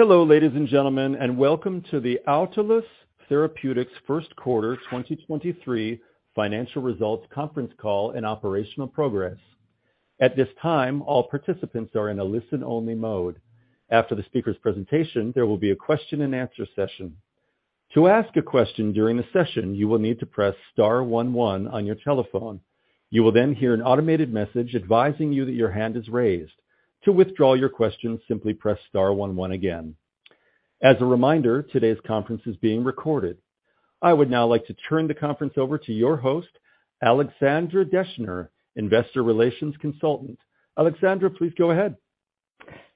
Hello, ladies and gentlemen, welcome to the Autolus Therapeutics Q1 2023 financial results conference call and operational progress. At this time, all participants are in a listen-only mode. After the speaker's presentation, there will be a question-and-answer session. To ask a question during the session, you will need to press star one one on your telephone. You will hear an automated message advising you that your hand is raised. To withdraw your question, simply press star one one again. As a reminder, today's conference is being recorded. I would now like to turn the conference over to your host, Alexandra Deschner, Investor Relations Consultant. Alexandra, please go ahead.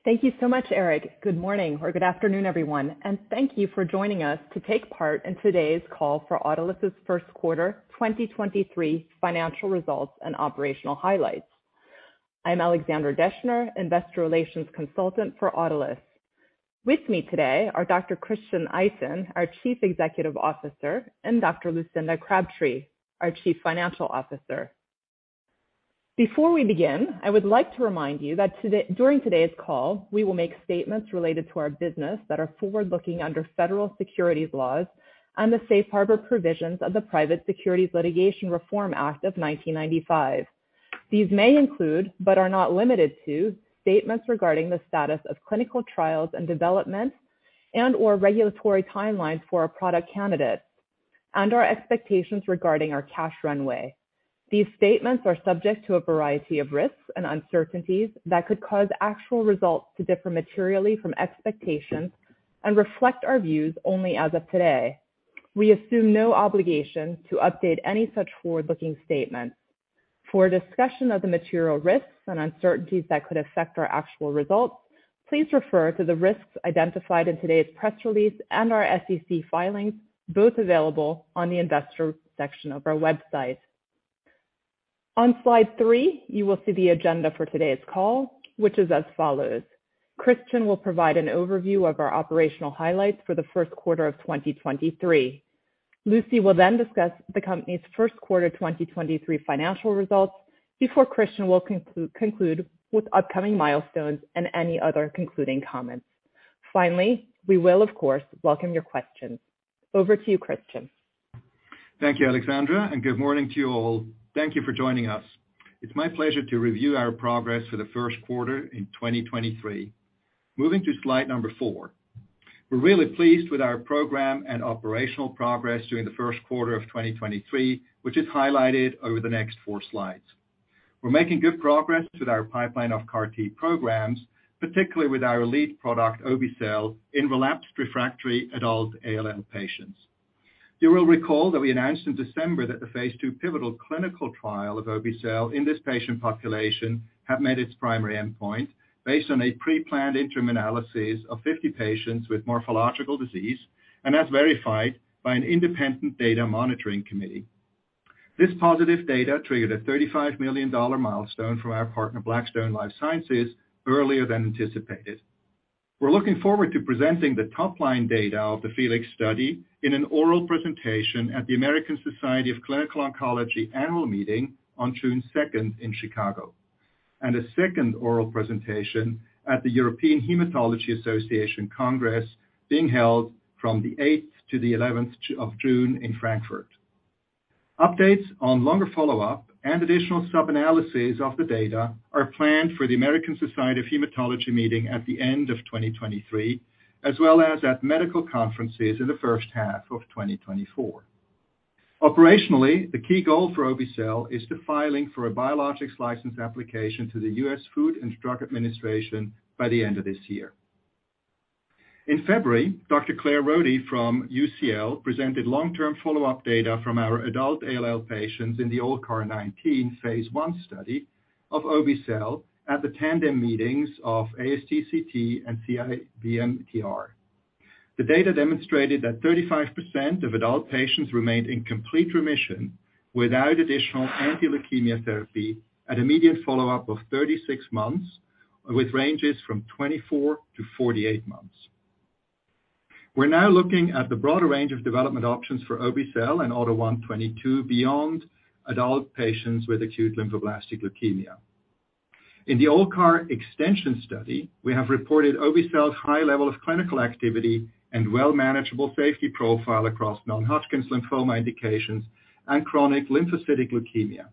Thank you so much, Eric. Good morning or good afternoon, everyone, and thank you for joining us to take part in today's call for Autolus's Q1 2023 financial results and operational highlights. I'm Alexandra Deschner, investor relations consultant for Autolus. With me today are Dr. Christian Itin, our Chief Executive Officer, and Dr. Lucinda Crabtree, our Chief Financial Officer. Before we begin, I would like to remind you that during today's call, we will make statements related to our business that are forward-looking under federal securities laws and the safe harbor provisions of the Private Securities Litigation Reform Act of 1995. These may include, but are not limited to, statements regarding the status of clinical trials and developments and/or regulatory timelines for our product candidates and our expectations regarding our cash runway. These statements are subject to a variety of risks and uncertainties that could cause actual results to differ materially from expectations and reflect our views only as of today. We assume no obligation to update any such forward-looking statements. For a discussion of the material risks and uncertainties that could affect our actual results, please refer to the risks identified in today's press release and our SEC filings, both available on the investor section of our website. On slide three, you will see the agenda for today's call, which is as follows. Christian will provide an overview of our operational highlights for the Q1 of 2023. Lucy will then discuss the company's Q1 2023 financial results before Christian will conclude with upcoming milestones and any other concluding comments. We will of course, welcome your questions. Over to you, Christian? Thank you, Amanda, and good morning to you all. Thank you for joining us. It's my pleasure to review our progress for the Q1 in 2023. Moving to slide number four. We're really pleased with our program and operational progress during the Q1 of 2023, which is highlighted over the next three slides. We're making good progress with our pipeline of CAR T programs, particularly with our lead product, obe-cel, in relapsed refractory adult ALL patients. You will recall that we announced in December that the phase II pivotal clinical trial of obe-cel in this patient population have met its primary endpoint based on a pre-planned interim analysis of 50 patients with morphological disease and as verified by an independent data monitoring committee. This positive data triggered a $35 million milestone from our partner, Blackstone Life Sciences, earlier than anticipated. We're looking forward to presenting the top-line data of the FELIX study in an oral presentation at the American Society of Clinical Oncology Annual Meeting on June 2 in Chicago, and a second oral presentation at the European Hematology Association Congress being held from the 8th to the 11th of June in Frankfurt. Updates on longer follow-up and additional sub-analysis of the data are planned for the American Society of Hematology meeting at the end of 2023, as well as at medical conferences in the first half of 2024. Operationally, the key goal for obe-cel is the filing for a Biologics License Application to the U.S. Food and Drug Administration by the end of this year. In February, Dr. Claire Roddie from UCL presented long-term follow-up data from our adult ALL patients in the ALLCAR19, phase I study of obe-cel at the tandem meetings of ASTCT and CIBMTR. The data demonstrated that 35% of adult patients remained in complete remission without additional anti-leukemia therapy at a median follow-up of 36 months, with ranges from 24-48 months. We're now looking at the broader range of development options for obe-cel and AUTO1/22 beyond adult patients with acute lymphoblastic leukemia. In the old CAR extension study, we have reported obe-cel's high level of clinical activity and well manageable safety profile across non-Hodgkin's lymphoma indications and chronic lymphocytic leukemia.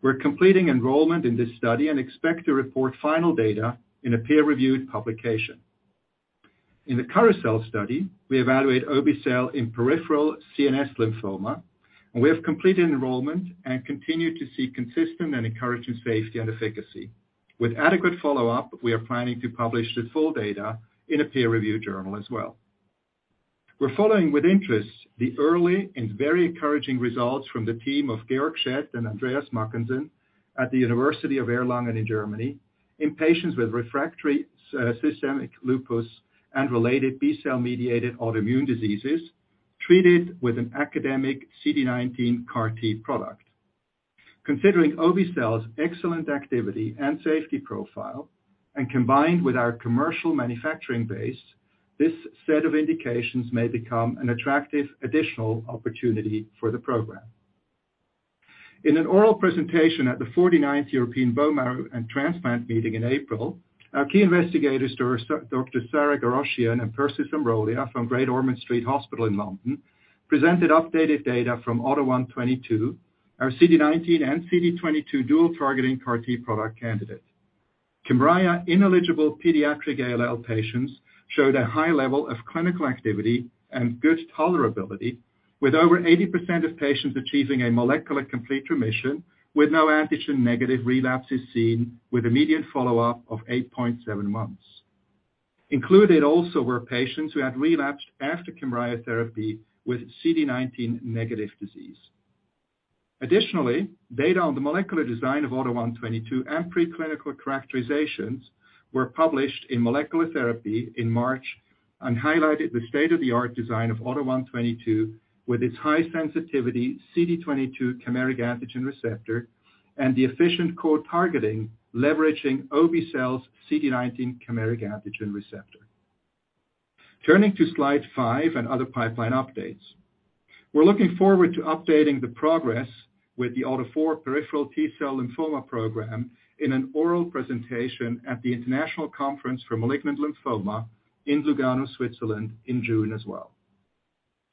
We're completing enrollment in this study and expect to report final data in a peer-reviewed publication. In the CAROUSEL study, we evaluate obe-cel in peripheral CNS lymphoma. We have completed enrollment and continue to see consistent and encouraging safety and efficacy. With adequate follow-up, we are planning to publish the full data in a peer-reviewed journal as well. We're following with interest the early and very encouraging results from the team of Georg Schett and Andreas Mackensen at the University of Erlangen in Germany in patients with refractory systemic lupus and related B-cell mediated autoimmune diseases treated with an academic CD19 CAR T product. Considering obe-cel's excellent activity and safety profile, combined with our commercial manufacturing base, this set of indications may become an attractive additional opportunity for the program. In an oral presentation at the 49th European Bone Marrow and Transplant Meeting in April, our key investigators, Doctor Sara Ghorashian and Persis Amrolia from Great Ormond Street Hospital in London, presented updated data from AUTO1/22, our CD19 and CD22 dual-targeting CAR T product candidate. Kymriah ineligible pediatric ALL patients showed a high level of clinical activity and good tolerability, with over 80% of patients achieving a molecular complete remission, with no antigen negative relapses seen with a median follow-up of 8.7 months. Included also were patients who had relapsed after Kymriah therapy with CD19 negative disease. Additionally, data on the molecular design of AUTO1/22 and preclinical characterizations were published in Molecular Therapy in March and highlighted the state-of-the-art design of AUTO1/22 with its high sensitivity CD22 chimeric antigen receptor and the efficient co-targeting leveraging obe-cel's CD19 chimeric antigen receptor. Turning to slide five and other pipeline updates. We're looking forward to updating the progress with the AUTO4 peripheral T-cell lymphoma program in an oral presentation at the International Conference on Malignant Lymphoma in Lugano, Switzerland in June as well.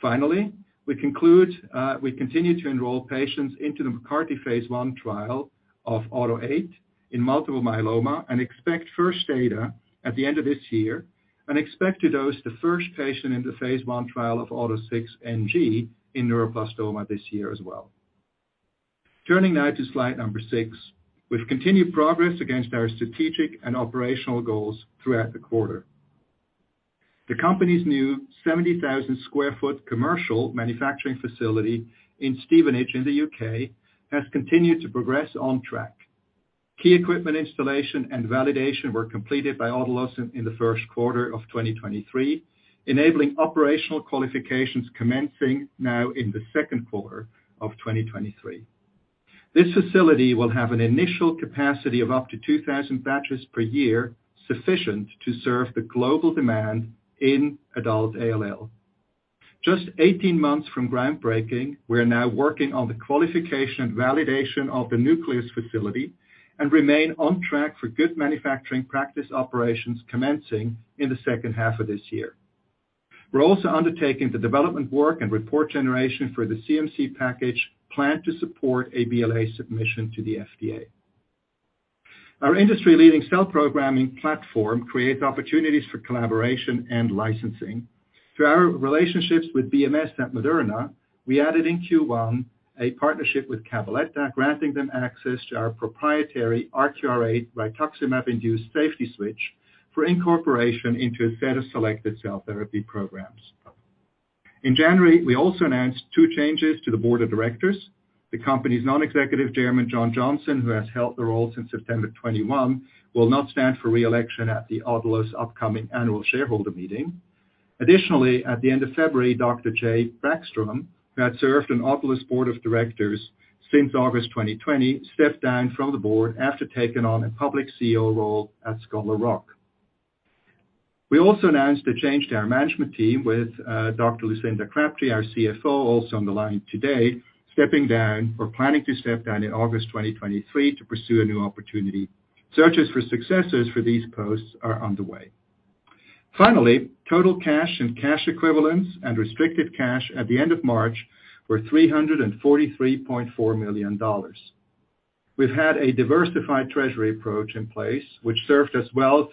Finally, we continue to enroll patients into the MCARTY phase I trial of AUTO8 in multiple myeloma and expect first data at the end of this year and expect to dose the first patient in the phase I trial of AUTO6NG in neuroblastoma this year as well. Turning now to slide number six. We've continued progress against our strategic and operational goals throughout the quarter. The company's new 70,000 sq ft commercial manufacturing facility in Stevenage in the U.K. has continued to progress on track. Key equipment installation and validation were completed by Autolus in the Q1 of 2023, enabling operational qualifications commencing now in the Q2 of 2023. This facility will have an initial capacity of up to 2,000 batches per year, sufficient to serve the global demand in adult ALL. Just 18 months from groundbreaking, we're now working on the qualification and validation of the nucleus facility and remain on track for good manufacturing practice operations commencing in the second half of this year. We're also undertaking the development work and report generation for the CMC package planned to support a BLA submission to the FDA. Our industry-leading cell programming platform creates opportunities for collaboration and licensing. Through our relationships with BMS at Moderna, we added in Q1 a partnership with Cabaletta, granting them access to our proprietary RQR8 rituximab-induced safety switch for incorporation into a set of selected cell therapy programs. In January, we also announced two changes to the board of directors. The company's non-executive chairman, John Johnson, who has held the role since September 2021, will not stand for re-election at the Autolus upcoming annual shareholder meeting. Additionally, at the end of February, Dr. Jay T. Backstrom, who had served on Autolus' board of directors since August 2020, stepped down from the board after taking on a public CEO role at Scholar Rock. We also announced a change to our management team with Lucinda Crabtree, our CFO, also on the line today, stepping down or planning to step down in August 2023 to pursue a new opportunity. Searches for successors for these posts are underway. Finally, total cash and cash equivalents and restricted cash at the end of March were $343.4 million. We've had a diversified treasury approach in place, which served us well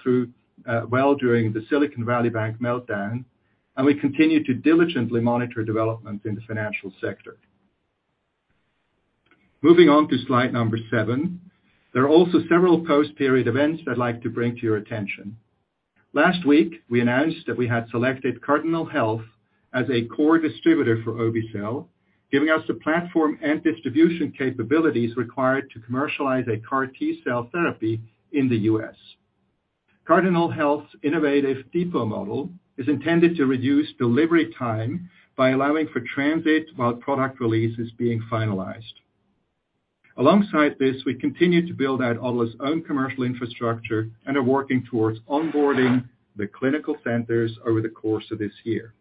during the Silicon Valley Bank meltdown. We continue to diligently monitor developments in the financial sector. Moving on to slide number seven. There are also several post-period events I'd like to bring to your attention. Last week, we announced that we had selected Cardinal Health as a core distributor for obe-cel, giving us the platform and distribution capabilities required to commercialize a CAR T-cell therapy in the U.S. Cardinal Health's innovative depot model is intended to reduce delivery time by allowing for transit while product release is being finalized. Alongside this, we continue to build out Autolus' own commercial infrastructure and are working towards onboarding the clinical centers over the course of this year.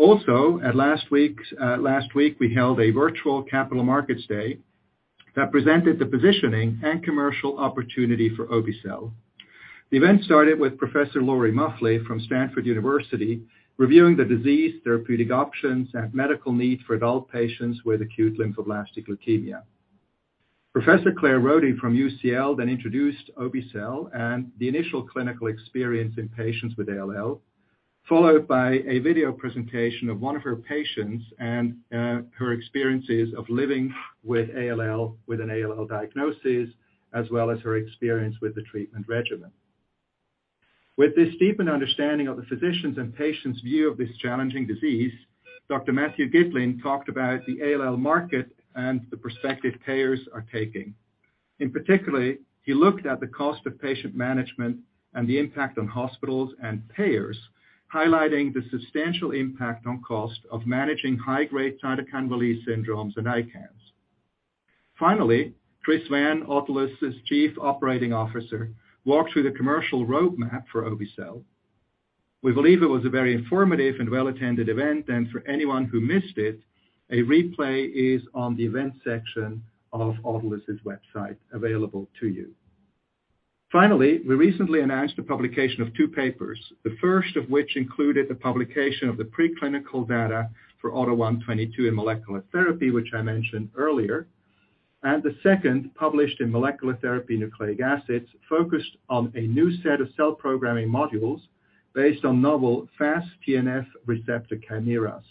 At last week's last week, we held a virtual capital markets day that presented the positioning and commercial opportunity for obe-cel. The event started with Professor Lori Muffly from Stanford University reviewing the disease therapeutic options and medical need for adult patients with acute lymphoblastic leukemia. Professor Claire Roddie from UCL then introduced obe-cel and the initial clinical experience in patients with ALL, followed by a video presentation of one of her patients and her experiences of living with ALL, with an ALL diagnosis, as well as her experience with the treatment regimen. With this deepened understanding of the physicians' and patients' view of this challenging disease, Dr. Matthew Gitlin talked about the ALL market and the perspective payers are taking. In particular, he looked at the cost of patient management and the impact on hospitals and payers, highlighting the substantial impact on cost of managing high-grade cytokine release syndromes and ICANS. Finally, Christopher Vann, Autolus's Chief Operating Officer, walked through the commercial roadmap for obe-cel. We believe it was a very informative and well-attended event, and for anyone who missed it, a replay is on the events section of Autolus' website available to you. Finally, we recently announced the publication of two papers, the first of which included the publication of the preclinical data for AUTO1/22 in Molecular Therapy, which I mentioned earlier. The second, published in Molecular Therapy - Nucleic Acids, focused on a new set of cell programming modules based on novel Fas/TNFR receptor chimeras.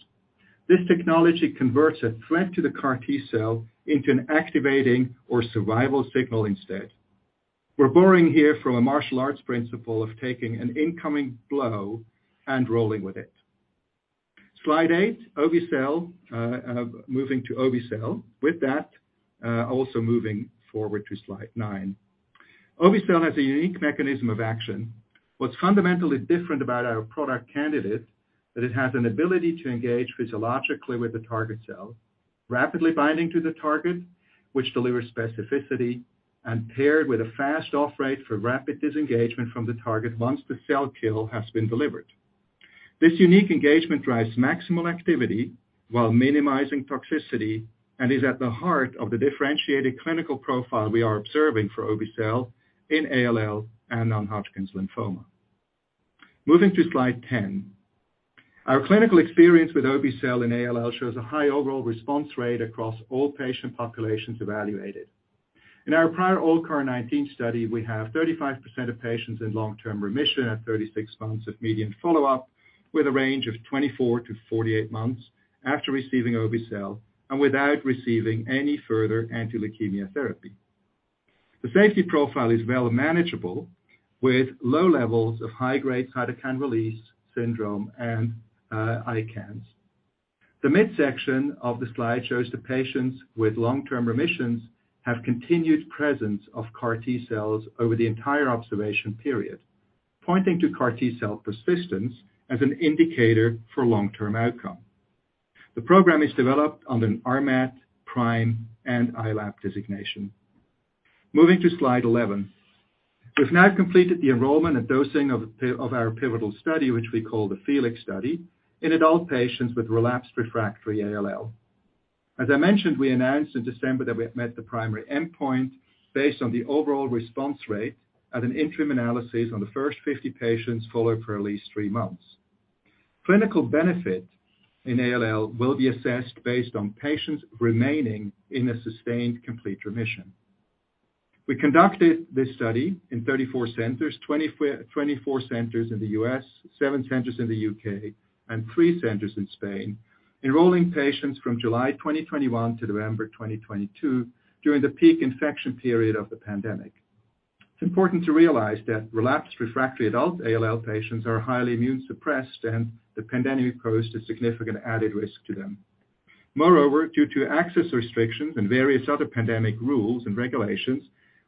This technology converts a threat to the CAR T-cell into an activating or survival signal instead. We're borrowing here from a martial arts principle of taking an incoming blow and rolling with it. Slide eight, obe-cel, moving to obe-cel. With that, also moving forward to slide nine. Obe-cel has a unique mechanism of action. What's fundamentally different about our product candidate that it has an ability to engage physiologically with the target cell, rapidly binding to the target, which delivers specificity, and paired with a fast off rate for rapid disengagement from the target once the cell kill has been delivered. This unique engagement drives maximal activity while minimizing toxicity, and is at the heart of the differentiated clinical profile we are observing for obe-cel in ALL and non-Hodgkin's lymphoma. Moving to slide ten. Our clinical experience with obe-cel in ALL shows a high overall response rate across all patient populations evaluated. In our prior ALLCAR19 study, we have 35% of patients in long-term remission at 36 months of median follow-up, with a range of 24-48 months after receiving obe-cel and without receiving any further anti-leukemia therapy. The safety profile is well manageable, with low levels of high-grade cytokine release syndrome and ICANS. The midsection of the slide shows the patients with long-term remissions have continued presence of CAR T-cells over the entire observation period, pointing to CAR T-cell persistence as an indicator for long-term outcome. The program is developed under an RMAT, PRIME, and ILAP designation. Moving to slide 11. We've now completed the enrollment and dosing of our pivotal study, which we call the FELIX study, in adult patients with relapsed refractory ALL. As I mentioned, we announced in December that we have met the primary endpoint based on the overall response rate at an interim analysis on the first 50 patients followed for at least three months. Clinical benefit in ALL will be assessed based on patients remaining in a sustained complete remission. We conducted this study in 34 centers, 24 centers in the U.S., seven centers in the U.K., and three centers in Spain, enrolling patients from July 2021 to November 2022 during the peak infection period of the pandemic. It's important to realize that relapsed refractory adult ALL patients are highly immune suppressed, and the pandemic posed a significant added risk to them. Moreover, due to access restrictions and various other pandemic rules and regulations,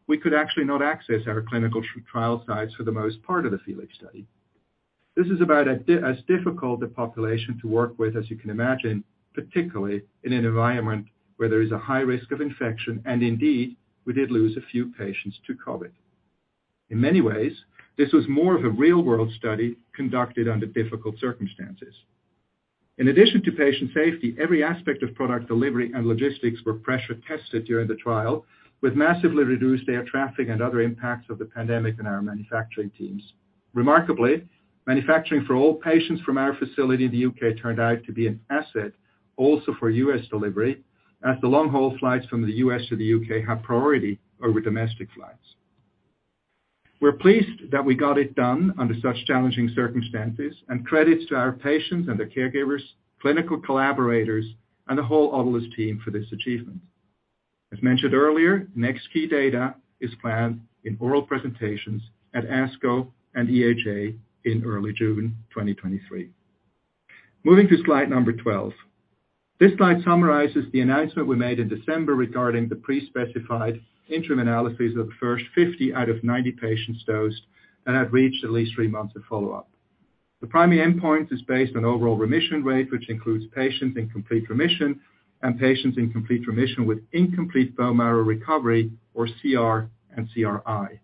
we could actually not access our clinical trial sites for the most part of the FELIX study. This is about as difficult a population to work with as you can imagine, particularly in an environment where there is a high risk of infection, and indeed, we did lose a few patients to COVID. In many ways, this was more of a real-world study conducted under difficult circumstances. In addition to patient safety, every aspect of product delivery and logistics were pressure tested during the trial with massively reduced air traffic and other impacts of the pandemic in our manufacturing teams. Remarkably, manufacturing for all patients from our facility in the U.K. turned out to be an asset also for U.S. delivery, as the long-haul flights from the U.S. to the U.K. have priority over domestic flights. We're pleased that we got it done under such challenging circumstances and credits to our patients and their caregivers, clinical collaborators, and the whole Autolus team for this achievement. As mentioned earlier, next key data is planned in oral presentations at ASCO and EHA in early June 2023. Moving to slide number 12. This slide summarizes the announcement we made in December regarding the pre-specified interim analysis of the first 50 out of 90 patients dosed and have reached at least 3 months of follow-up. The primary endpoint is based on overall remission rate, which includes patients in complete remission and patients in complete remission with incomplete bone marrow recovery or CR and CRI.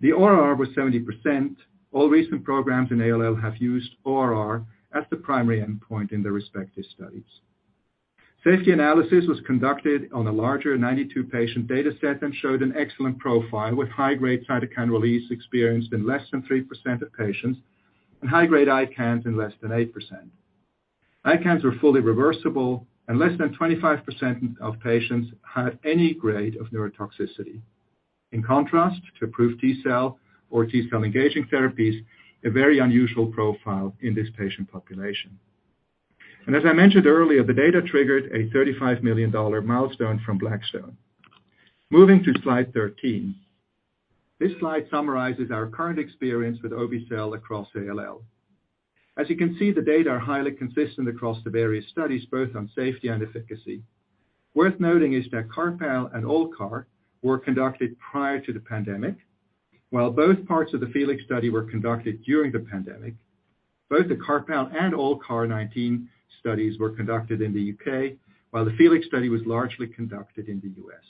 The ORR was 70%. All recent programs in ALL have used ORR as the primary endpoint in their respective studies. Safety analysis was conducted on a larger 92 patient dataset and showed an excellent profile with high-grade cytokine release experienced in less than 3% of patients and high-grade ICANS in less than 8%. ICANS were fully reversible, less than 25% of patients had any grade of neurotoxicity. In contrast to approved T-cell or T-cell engaging therapies, a very unusual profile in this patient population. As I mentioned earlier, the data triggered a $35 million milestone from Blackstone. Moving to slide 13. This slide summarizes our current experience with obe-cel across ALL. As you can see, the data are highly consistent across the various studies, both on safety and efficacy. Worth noting is that CARPALL and ALLCAR were conducted prior to the pandemic. While both parts of the FELIX study were conducted during the pandemic, both the CARPALL and ALLCAR19 studies were conducted in the U.K., while the FELIX study was largely conducted in the U.S.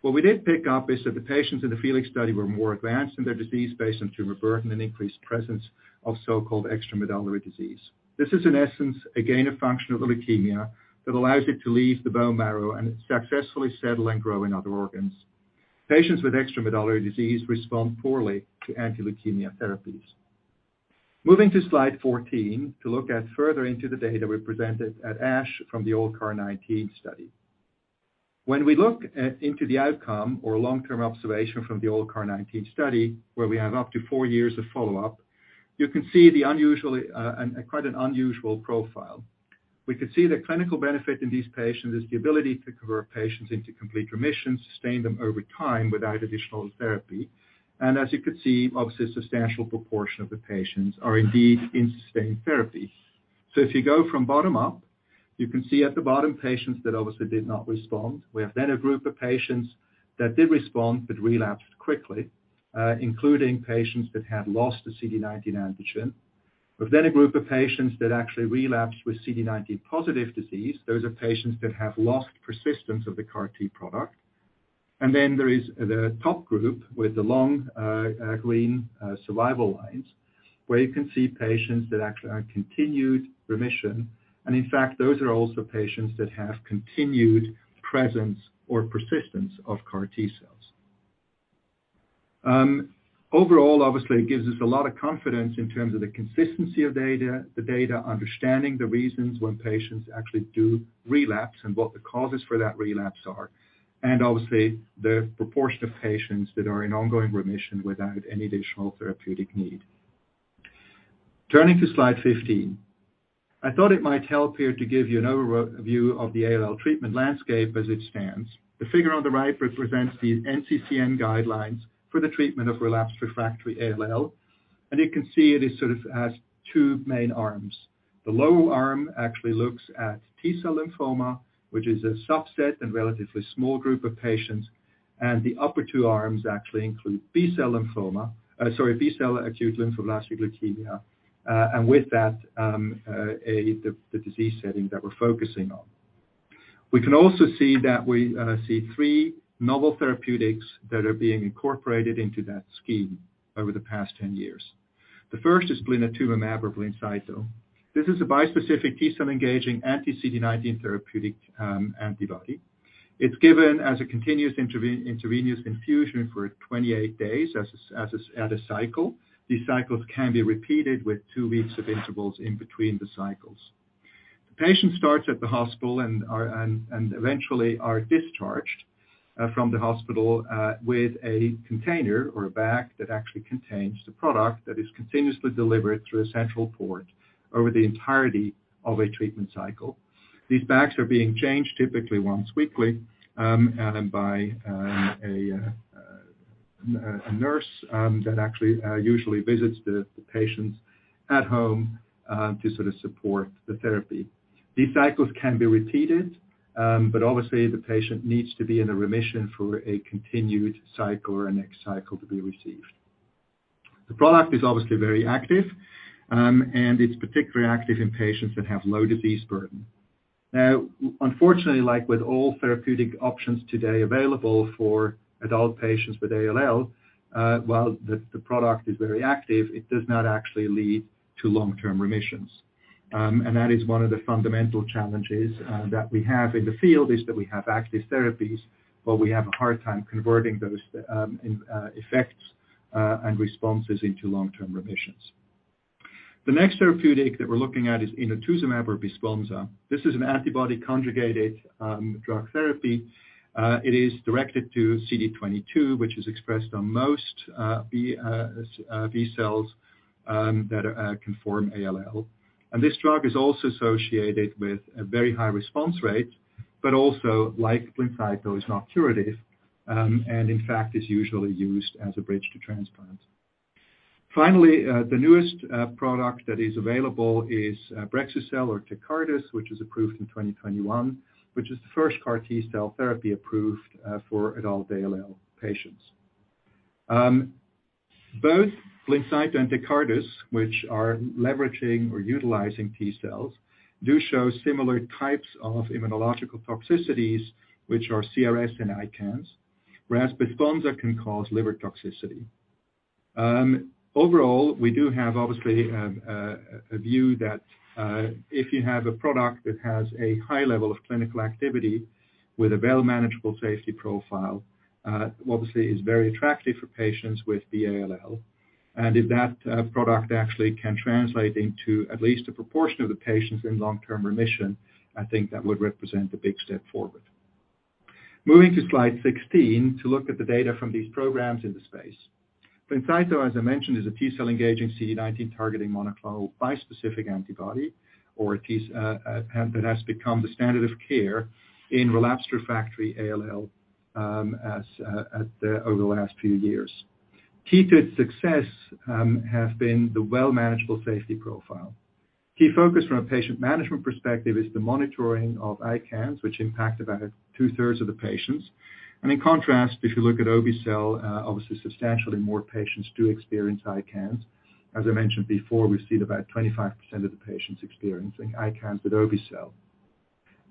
What we did pick up is that the patients in the FELIX study were more advanced in their disease based on tumor burden and increased presence of so-called extramedullary disease. This is, in essence, again, a function of the leukemia that allows it to leave the bone marrow and successfully settle and grow in other organs. Patients with extramedullary disease respond poorly to anti-leukemia therapies. Moving to slide 14 to look at further into the data we presented at ASH from the ALLCAR19 study. When we look at, into the outcome or long-term observation from the ALLCAR19 study, where we have up to four years of follow-up, you can see the unusually, quite an unusual profile. We can see the clinical benefit in these patients is the ability to convert patients into complete remission, sustain them over time without additional therapy. As you can see, obviously, a substantial proportion of the patients are indeed in sustained therapy. If you go from bottom up, you can see at the bottom patients that obviously did not respond. We have then a group of patients that did respond but relapsed quickly, including patients that had lost the CD19 antigen. We've then a group of patients that actually relapsed with CD19-positive disease. Those are patients that have lost persistence of the CAR T product. There is the top group with the long, green survival lines, where you can see patients that actually are in continued remission. In fact, those are also patients that have continued presence or persistence of CAR T-cells. Overall, obviously, it gives us a lot of confidence in terms of the consistency of data, the data, understanding the reasons when patients actually do relapse and what the causes for that relapse are, and obviously, the proportion of patients that are in ongoing remission without any additional therapeutic need. Turning to slide 15, I thought it might help here to give you an overview of the ALL treatment landscape as it stands. The figure on the right represents the NCCN guidelines for the treatment of relapsed refractory ALL, and you can see it is sort of has two main arms. The low arm actually looks at T-cell lymphoma, which is a subset and relatively small group of patients. The upper two arms actually include B-cell lymphoma, sorry, B-cell acute lymphoblastic leukemia, with that, the disease setting that we're focusing on. We can also see that we see three novel therapeutics that are being incorporated into that scheme over the past 10 years. The first is blinatumomab or Blincyto. This is a bispecific T-cell engaging anti-CD19 therapeutic antibody. It's given as a continuous intravenous infusion for 28 days as a cycle. These cycles can be repeated with two weeks of intervals in between the cycles. The patient starts at the hospital and are, and eventually are discharged from the hospital with a container or a bag that actually contains the product that is continuously delivered through a central port over the entirety of a treatment cycle. These bags are being changed typically once weekly, and by a nurse that actually usually visits the patients at home to sort of support the therapy. These cycles can be repeated, but obviously, the patient needs to be in a remission for a continued cycle or a next cycle to be received. The product is obviously very active, and it's particularly active in patients that have low disease burden. Unfortunately, like with all therapeutic options today available for adult patients with ALL, while the product is very active, it does not actually lead to long-term remissions. That is one of the fundamental challenges that we have in the field, is that we have active therapies, but we have a hard time converting those effects and responses into long-term remissions. The next therapeutic that we're looking at is inotuzumab or Besponsa. This is an antibody conjugated drug therapy. It is directed to CD22, which is expressed on most B-cells that can form ALL. This drug is also associated with a very high response rate, but also, like Blincyto, is not curative, in fact, is usually used as a bridge to transplant. The newest product that is available is brexucab or Tecartus, which was approved in 2021, which is the first CAR T-cell therapy approved for adult ALL patients. Both Blincyto and Tecartus, which are leveraging or utilizing T-cells, do show similar types of immunological toxicities, which are CRS and ICANS, whereas Besponsa can cause liver toxicity. Overall, we do have obviously a view that if you have a product that has a high level of clinical activity with a well manageable safety profile, obviously is very attractive for patients with B-ALL. And if that product actually can translate into at least a proportion of the patients in long-term remission, I think that would represent a big step forward. Moving to slide 16 to look at the data from these programs in the space. Blincyto, as I mentioned, is a T-cell engaging CD19 targeting monoclonal bispecific antibody, or a T-cell that has become the standard of care in relapsed refractory ALL, as over the last few years. Key to its success have been the well manageable safety profile. Key focus from a patient management perspective is the monitoring of ICANS, which impact about two-thirds of the patients. In contrast, if you look at obe-cel, obviously substantially more patients do experience ICANS. As I mentioned before, we've seen about 25% of the patients experiencing ICANS with obe-cel.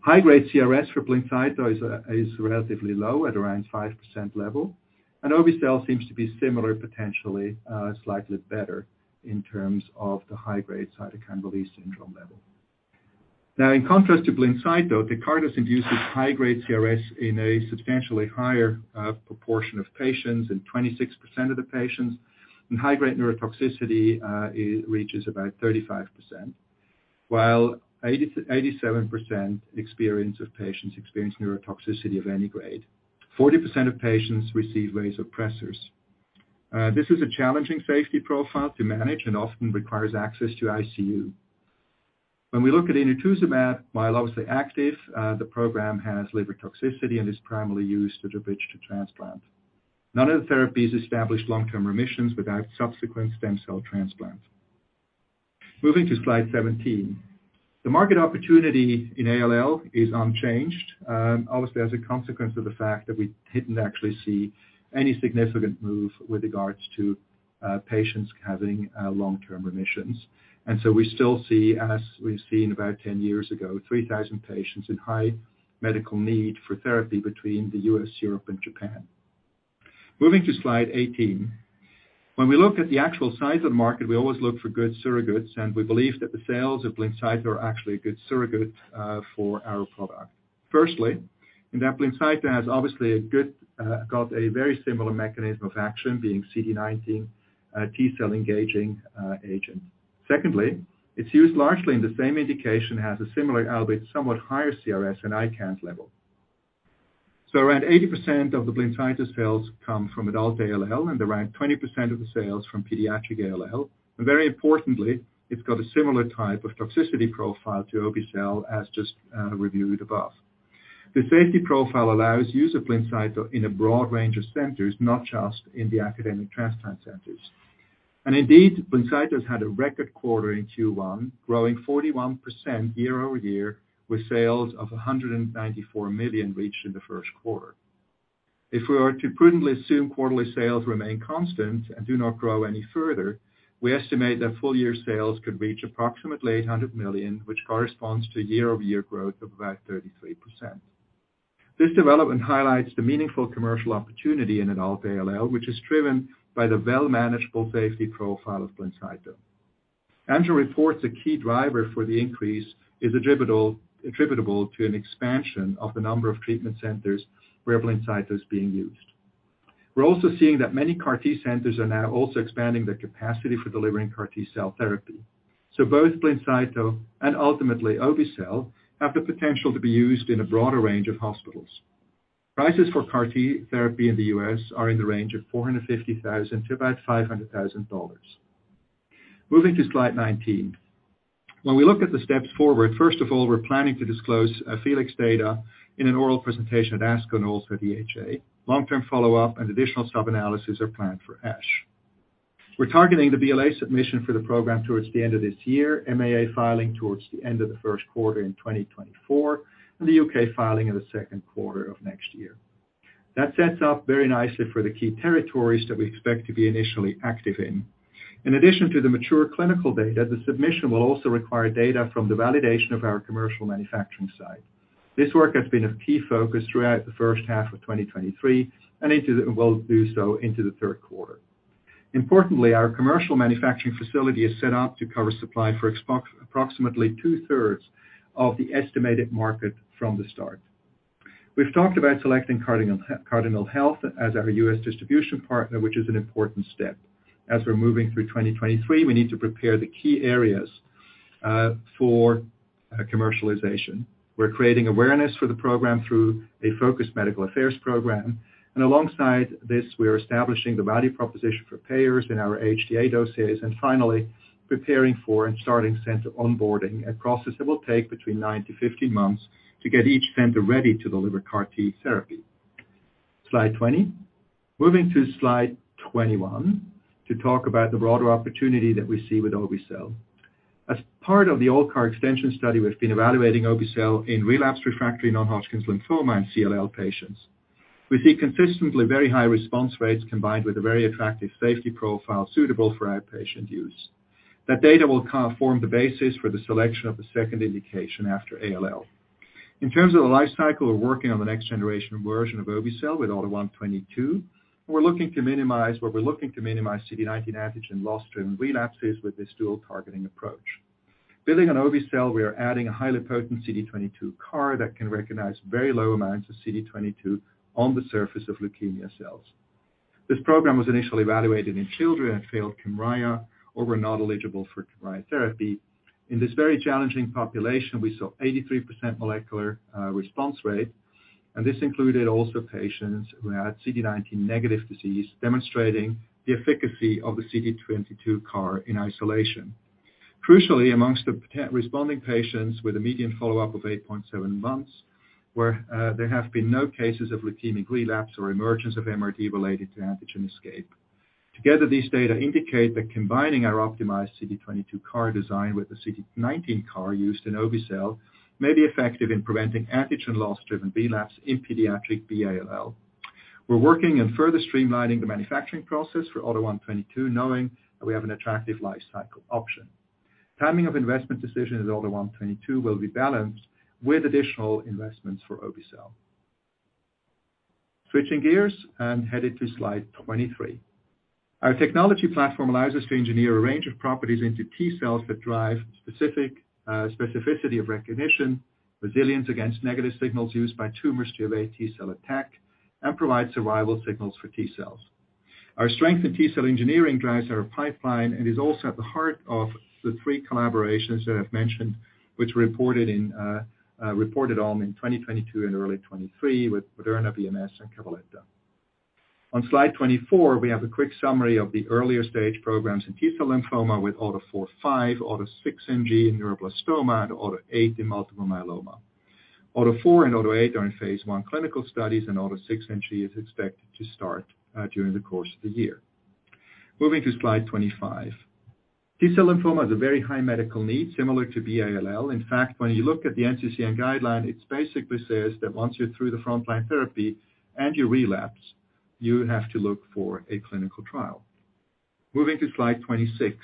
High-grade CRS for Blincyto is relatively low at around 5% level, and obe-cel seems to be similar, potentially slightly better in terms of the high-grade cytokine release syndrome level. In contrast to Blincyto, Tecartus induces high-grade CRS in a substantially higher proportion of patients, in 26% of the patients, and high-grade neurotoxicity, it reaches about 35%, while 87% of patients experience neurotoxicity of any grade. 40% of patients receive vasopressors. This is a challenging safety profile to manage and often requires access to ICU. We look at inotuzumab, while obviously active, the program has liver toxicity and is primarily used as a bridge to transplant. None of the therapies establish long-term remissions without subsequent stem cell transplant. Moving to slide 17. The market opportunity in ALL is unchanged, obviously as a consequence of the fact that we didn't actually see any significant move with regards to patients having long-term remissions. We still see, as we've seen about 10 years ago, 3,000 patients in high medical need for therapy between the U.S., Europe, and Japan. Moving to slide 18. When we look at the actual size of the market, we always look for good surrogates, and we believe that the sales of Blincyto are actually a good surrogate for our product. Firstly, in that Blincyto has obviously got a very similar mechanism of action being CD19 T-cell engaging agent. Secondly, it's used largely in the same indication, has a similar albeit somewhat higher CRS and ICANS level. Around 80% of the Blincyto sales come from adult ALL, and around 20% of the sales from pediatric ALL. Very importantly, it's got a similar type of toxicity profile to obe-cel, as just reviewed above. The safety profile allows use of Blincyto in a broad range of centers, not just in the academic transplant centers. Indeed, Blincyto's had a record quarter in Q1, growing 41% year-over-year with sales of $194 million reached in the Q1. If we were to prudently assume quarterly sales remain constant and do not grow any further, we estimate that full year sales could reach approximately $800 million, which corresponds to year-over-year growth of about 33%. This development highlights the meaningful commercial opportunity in adult ALL, which is driven by the well manageable safety profile of Blincyto. Amgen reports a key driver for the increase is attributable to an expansion of the number of treatment centers where Blincyto is being used. We're also seeing that many CAR T centers are now also expanding their capacity for delivering CAR T cell therapy. Both Blincyto and ultimately obe-cel have the potential to be used in a broader range of hospitals. Prices for CAR T therapy in the U.S. are in the range of $450,000-$500,000. Moving to slide 19. When we look at the steps forward, first of all, we're planning to disclose FELIX data in an oral presentation at ASCO and also EHA. Long-term follow-up and additional sub-analysis are planned for ASH. We're targeting the BLA submission for the program towards the end of this year, MAA filing towards the end of the Q1 in 2024, and the U.K. filing in the Q2 of next year. That sets up very nicely for the key territories that we expect to be initially active in. In addition to the mature clinical data, the submission will also require data from the validation of our commercial manufacturing site. This work has been a key focus throughout the first half of 2023, and will do so into the Q3 Importantly, our commercial manufacturing facility is set up to cover supply for approximately 2/3 of the estimated market from the start. We've talked about selecting Cardinal Health as our U.S. distribution partner, which is an important step. As we're moving through 2023, we need to prepare the key areas for commercialization. We're creating awareness for the program through a focused medical affairs program. Alongside this, we are establishing the value proposition for payers in our HTA dossiers, and finally, preparing for and starting center onboarding, a process that will take between nine to 15 months to get each center ready to deliver CAR T therapy. Slide 20. Moving to slide 21 to talk about the broader opportunity that we see with obe-cel. As part of the ALLCAR19 study, we've been evaluating obe-cel in relapsed refractory non-Hodgkin's lymphoma in CLL patients. We see consistently very high response rates combined with a very attractive safety profile suitable for outpatient use. That data will form the basis for the selection of the second indication after ALL. In terms of the life cycle, we're working on the next generation version of obe-cel with AUTO1/22. We're looking to minimize CD19 antigen loss during relapses with this dual targeting approach. Building on obe-cel, we are adding a highly potent CD22 CAR that can recognize very low amounts of CD22 on the surface of leukemia cells. This program was initially evaluated in children who had failed Kymriah or were not eligible for Kymriah therapy. In this very challenging population, we saw 83% molecular response rate, and this included also patients who had CD19 negative disease, demonstrating the efficacy of the CD22 CAR in isolation. Crucially, amongst the responding patients with a median follow-up of 8.7 months, where there have been no cases of leukemic relapse or emergence of MRD related to antigen escape. Together, these data indicate that combining our optimized CD22 CAR design with the CD19 CAR used in obe-cel may be effective in preventing antigen loss-driven relapse in pediatric B-ALL. We're working in further streamlining the manufacturing process for AUTO1/22, knowing that we have an attractive life cycle option. Timing of investment decision in AUTO1/22 will be balanced with additional investments for obe-cel. Switching gears and headed to slide 23. Our technology platform allows us to engineer a range of properties into T-cells that drive specific specificity of recognition, resilience against negative signals used by tumors to evade T-cell attack, and provide survival signals for T-cells. Our strength in T-cell engineering drives our pipeline and is also at the heart of the three collaborations that I've mentioned, which we reported on in 2022 and early 2023 with Moderna, BMS and Cabaletta. On slide 24, we have a quick summary of the earlier stage programs in T-cell lymphoma with AUTO4/5, AUTO6NG in neuroblastoma, and AUTO8 in multiple myeloma. AUTO4 and AUTO8 are in phase I clinical studies, and AUTO6NG is expected to start during the course of the year. Moving to slide 25. T-cell lymphoma has a very high medical need similar to B-ALL. In fact, when you look at the NCCN guideline, it basically says that once you're through the frontline therapy and you relapse, you have to look for a clinical trial. Moving to slide 26.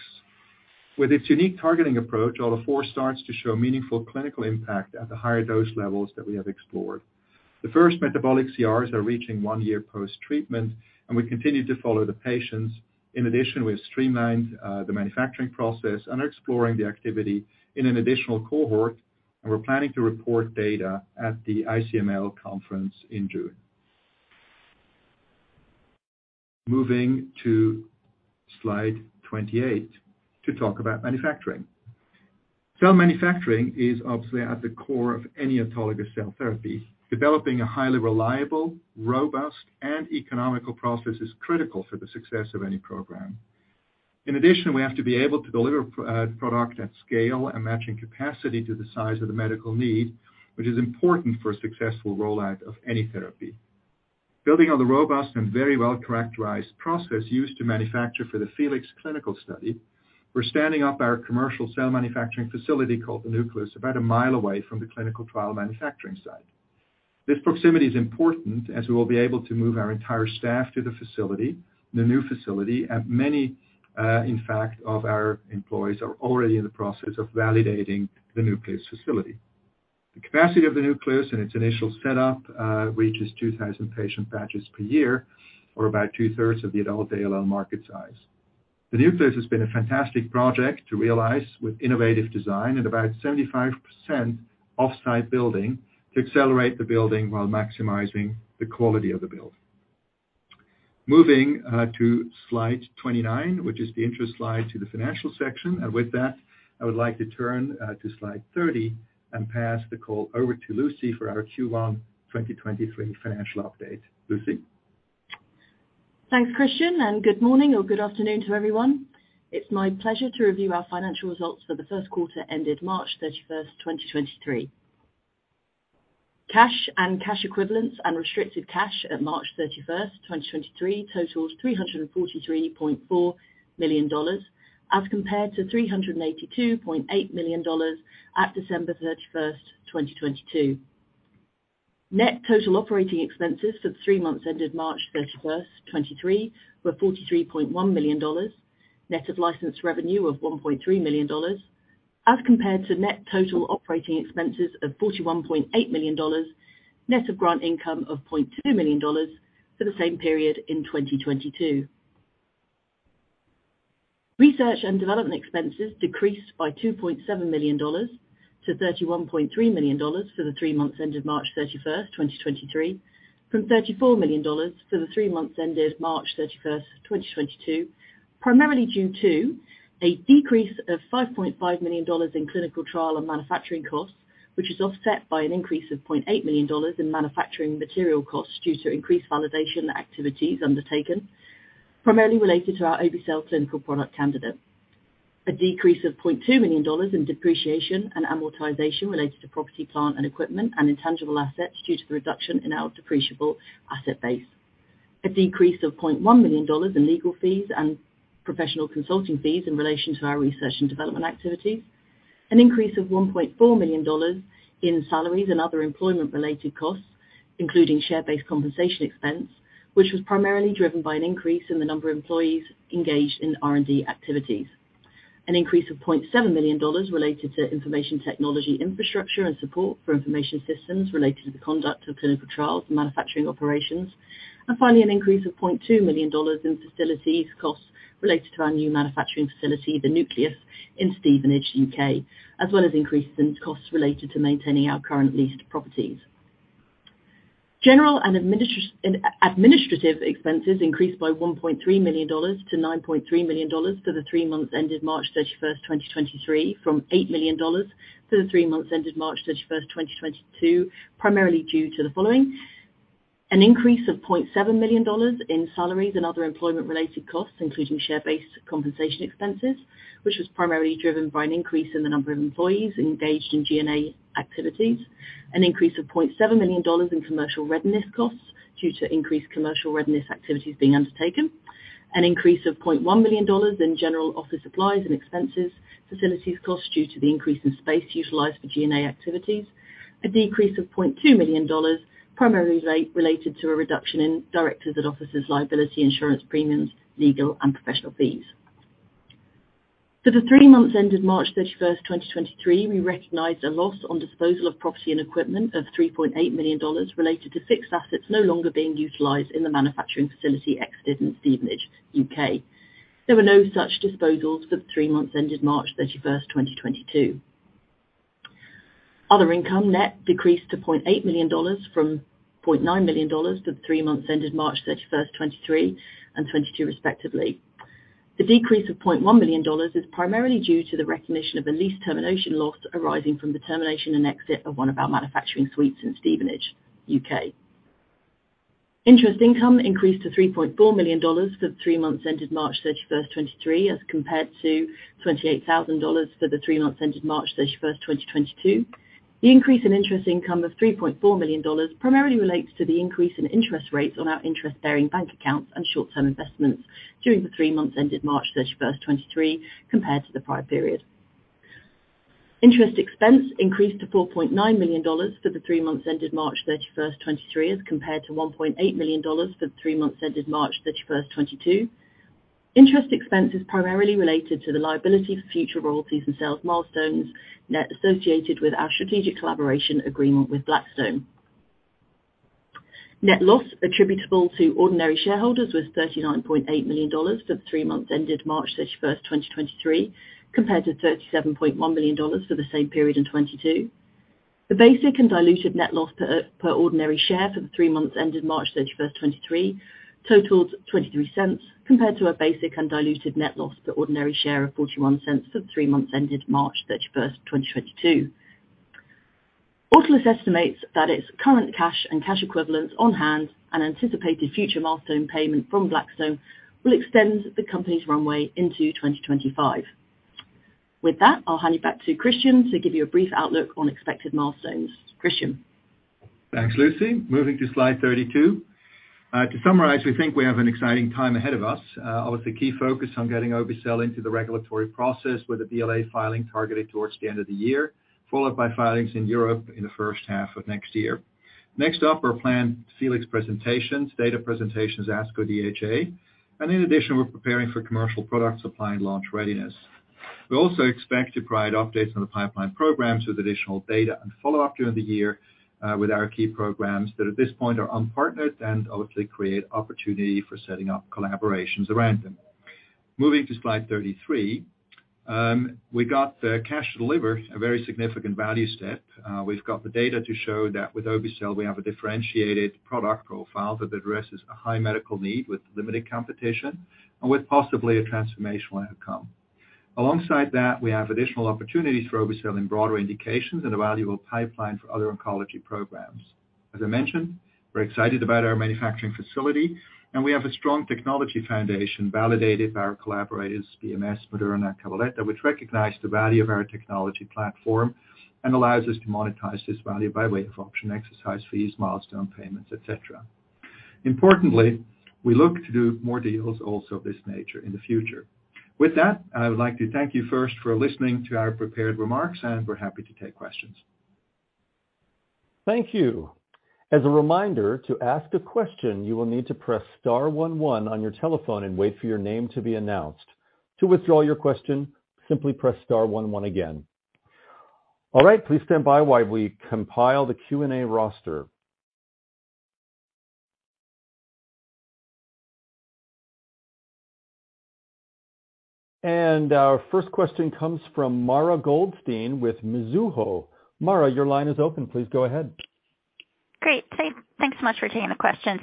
With its unique targeting approach, AUTO4 starts to show meaningful clinical impact at the higher dose levels that we have explored. The first metabolic CRs are reaching one year post-treatment, and we continue to follow the patients. In addition, we have streamlined the manufacturing process and are exploring the activity in an additional cohort, and we're planning to report data at the ICML conference in June. Moving to slide 28 to talk about manufacturing. Cell manufacturing is obviously at the core of any autologous cell therapy. Developing a highly reliable, robust, and economical process is critical for the success of any program. In addition, we have to be able to deliver product at scale and matching capacity to the size of the medical need, which is important for a successful rollout of any therapy. Building on the robust and very well-characterized process used to manufacture for the FELIX clinical study, we're standing up our commercial cell manufacturing facility called The Nucleus, about a mile away from the clinical trial manufacturing site. This proximity is important as we will be able to move our entire staff to the facility, the new facility, many, in fact, of our employees are already in the process of validating The Nucleus facility. The capacity of The Nucleus in its initial setup reaches 2,000 patient batches per year or about two-thirds of the adult ALL market size. The Nucleus has been a fantastic project to realize with innovative design at about 75% off-site building to accelerate the building while maximizing the quality of the build. Moving to slide 29, which is the intro slide to the financial section. With that, I would like to turn to slide 30 and pass the call over to Lucy for our Q1 2023 financial update. Lucy? Thanks, Christian. Good morning or good afternoon to everyone. It's my pleasure to review our financial results for the Q1 ended March 31st, 2023. Cash and cash equivalents and restricted cash at March 31st, 2023 totaled $343.4 million as compared to $382.8 million at December 31st, 2022. Net total operating expenses for the three months ended March 31st, 2023 were $43.1 million, net of license revenue of $1.3 million, as compared to net total operating expenses of $41.8 million, net of grant income of $0.2 million for the same period in 2022. Research and development expenses decreased by $2.7 million to $31.3 million for the three months ended March 31, 2023, from $34 million for the three months ended March 31, 2022, primarily due to a decrease of $5.5 million in clinical trial and manufacturing costs, which is offset by an increase of $0.8 million in manufacturing material costs due to increased validation activities undertaken, primarily related to our obe-cel clinical product candidate. A decrease of $0.2 million in depreciation and amortization related to property, plant and equipment and intangible assets due to the reduction in our depreciable asset base. A decrease of $0.1 million in legal fees and professional consulting fees in relation to our research and development activities. An increase of $1.4 million in salaries and other employment-related costs, including share-based compensation expense, which was primarily driven by an increase in the number of employees engaged in R&D activities. An increase of $0.7 million related to information technology infrastructure and support for information systems related to the conduct of clinical trials and manufacturing operations. Finally, an increase of $0.2 million in facilities costs related to our new manufacturing facility, The Nucleus in Stevenage, U.K., as well as increases in costs related to maintaining our current leased properties. General and administrative expenses increased by $1.3 million to $9.3 million for the three months ended March thirty-first, 2023, from $8 million for the three months ended March thirty-first, 2022, primarily due to the following. An increase of $0.7 million in salaries and other employment-related costs, including share-based compensation expenses, which was primarily driven by an increase in the number of employees engaged in G&A activities. An increase of $0.7 million in commercial readiness costs due to increased commercial readiness activities being undertaken. An increase of $0.1 million in general office supplies and expenses, facilities costs due to the increase in space utilized for G&A activities. A decrease of $0.2 million, primarily related to a reduction in directors and officers liability insurance premiums, legal and professional fees. For the three months ended March 31, 2023, we recognized a loss on disposal of property and equipment of $3.8 million related to fixed assets no longer being utilized in the manufacturing facility exited in Stevenage, U.K. There were no such disposals for the three months ended March 31st, 2022. Other income net decreased to $0.8 million from $0.9 million for the three months ended March 31st, 2023 and 2022 respectively. The decrease of $0.1 million is primarily due to the recognition of a lease termination loss arising from the termination and exit of one of our manufacturing suites in Stevenage, U.K. Interest income increased to $3.4 million for the three months ended March 31st, 2023 as compared to $28,000 for the three months ended March 31st, 2022. The increase in interest income of $3.4 million primarily relates to the increase in interest rates on our interest-bearing bank accounts and short-term investments during the three months ended March 31st, 2023 compared to the prior period. Interest expense increased to $4.9 million for the three months ended March 31st, 2023 as compared to $1.8 million for the three months ended March 31st, 2022. Interest expense is primarily related to the liability for future royalties and sales milestones net associated with our strategic collaboration agreement with Blackstone. Net loss attributable to ordinary shareholders was $39.8 million for the three months ended March 31st, 2023, compared to $37.1 million for the same period in 2022. The basic and diluted net loss per ordinary share for the three months ended March 31st, 2023 totaled $0.23 compared to a basic and diluted net loss per ordinary share of $0.41 for the three months ended March 31st, 2022. Autolus estimates that its current cash and cash equivalents on hand and anticipated future milestone payment from Blackstone will extend the company's runway into 2025. With that, I'll hand it back to Christian to give you a brief outlook on expected milestones. Christian. Thanks, Lucy. Moving to slide 32. To summarize, we think we have an exciting time ahead of us. Obviously key focus on getting obe-cel into the regulatory process with the BLA filing targeted towards the end of the year, followed by filings in Europe in the first half of next year. Next up, our planned FELIX presentations, data presentations, ASCO, EHA. In addition, we're preparing for commercial product supply and launch readiness. We also expect to provide updates on the pipeline programs with additional data and follow up during the year, with our key programs that at this point are unpartnered and obviously create opportunity for setting up collaborations around them. Moving to slide 33. We got the cash deliver a very significant value step. We've got the data to show that with obe-cel we have a differentiated product profile that addresses a high medical need with limited competition and with possibly a transformational outcome. Alongside that, we have additional opportunities for obe-cel in broader indications and a valuable pipeline for other oncology programs. As I mentioned, we're excited about our manufacturing facility and we have a strong technology foundation validated by our collaborators BMS, Moderna, Cabaletta, which recognize the value of our technology platform and allows us to monetize this value by way of option exercise fees, milestone payments, et cetera. Importantly, we look to do more deals also of this nature in the future. With that, I would like to thank you first for listening to our prepared remarks, and we're happy to take questions. Thank you. As a reminder, to ask a question, you will need to press star one one on your telephone and wait for your name to be announced. To withdraw your question, simply press star one one again. All right, please stand by while we compile the Q&A roster. Our first question comes from Mara Goldstein with Mizuho. Mara, your line is open. Please go ahead. Great. Thanks so much for taking the questions.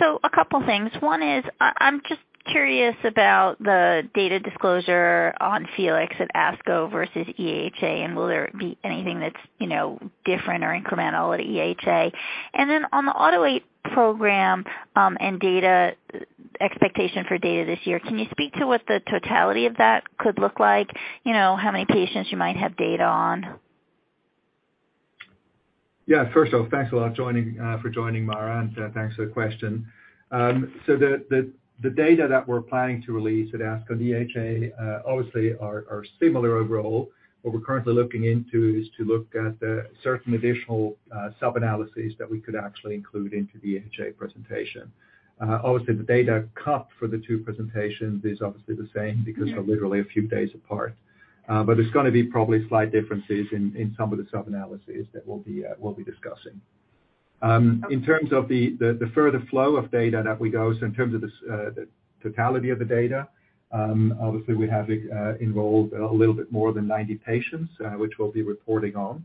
So a couple things. One is, I'm just curious about the data disclosure on FELIX at ASCO versus EHA. Will there be anything that's, you know, different or incremental at EHA? Then on the AUTO8 program, and data, expectation for data this year, can you speak to what the totality of that could look like? You know, how many patients you might have data on? Yeah. First off, thanks a lot joining for joining, Mara, thanks for the question. The data that we're planning to release at ASCO and EHA, obviously are similar overall. What we're currently looking into is to look at certain additional sub-analyses that we could actually include into the EHA presentation. Obviously the data cut for the two presentations is obviously the same because they're literally a few days apart. There's gonna be probably slight differences in some of the sub-analyses that we'll be, we'll be discussing. In terms of the further flow of data that we go, in terms of this, the totality of the data, obviously we have enrolled a little bit more than 90 patients, which we'll be reporting on.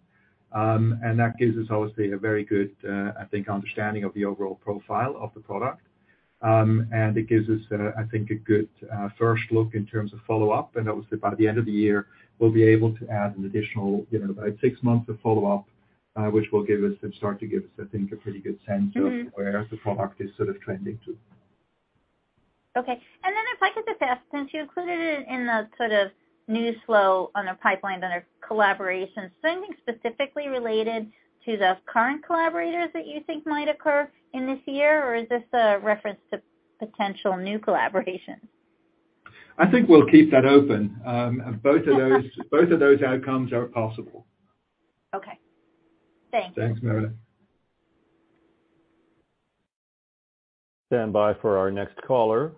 That gives us obviously a very good, I think understanding of the overall profile of the product. It gives us, I think a good, first look in terms of follow-up. Obviously by the end of the year we'll be able to add an additional, you know, about six months of follow-up, which will give us and start to give us, I think, a pretty good sense... Mm-hmm. of where the product is sort of trending to. Okay. If I could just ask, since you included it in the sort of news flow on a pipeline under collaborations, is there anything specifically related to the current collaborators that you think might occur in this year? Is this a reference to potential new collaborations? I think we'll keep that open. Both of those outcomes are possible. Okay. Thanks. Thanks, Mara. Stand by for our next caller.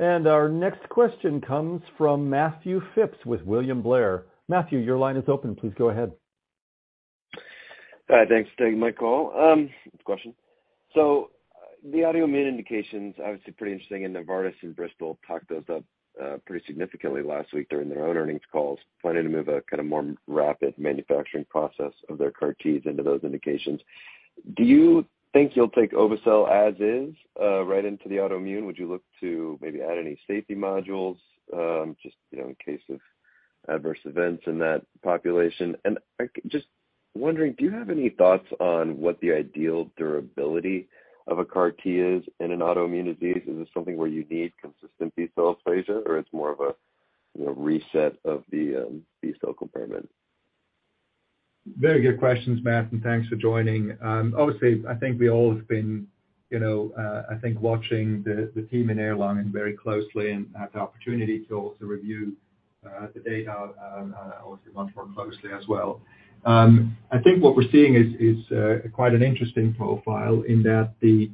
Our next question comes from Matthew Phipps with William Blair. Matthew, your line is open. Please go ahead. Hi, thanks for taking my call, question. The autoimmune indications obviously pretty interesting, and Novartis and Bristol talked those up pretty significantly last week during their own earnings calls, planning to move a kind of more rapid manufacturing process of their CAR Ts into those indications. Do you think you'll take obe-cel as is right into the autoimmune? Would you look to maybe add any safety modules, just, you know, in case of adverse events in that population? I just wondering, do you have any thoughts on what the ideal durability of a CAR T is in an autoimmune disease? Is this something where you need consistent B-cell aplasia, or it's more of a, you know, reset of the B-cell compartment? Very good questions, Matt, and thanks for joining. Obviously, I think we all have been, you know, watching the team in Erlangen very closely and had the opportunity to also review the data obviously much more closely as well. I think what we're seeing is quite an interesting profile in that the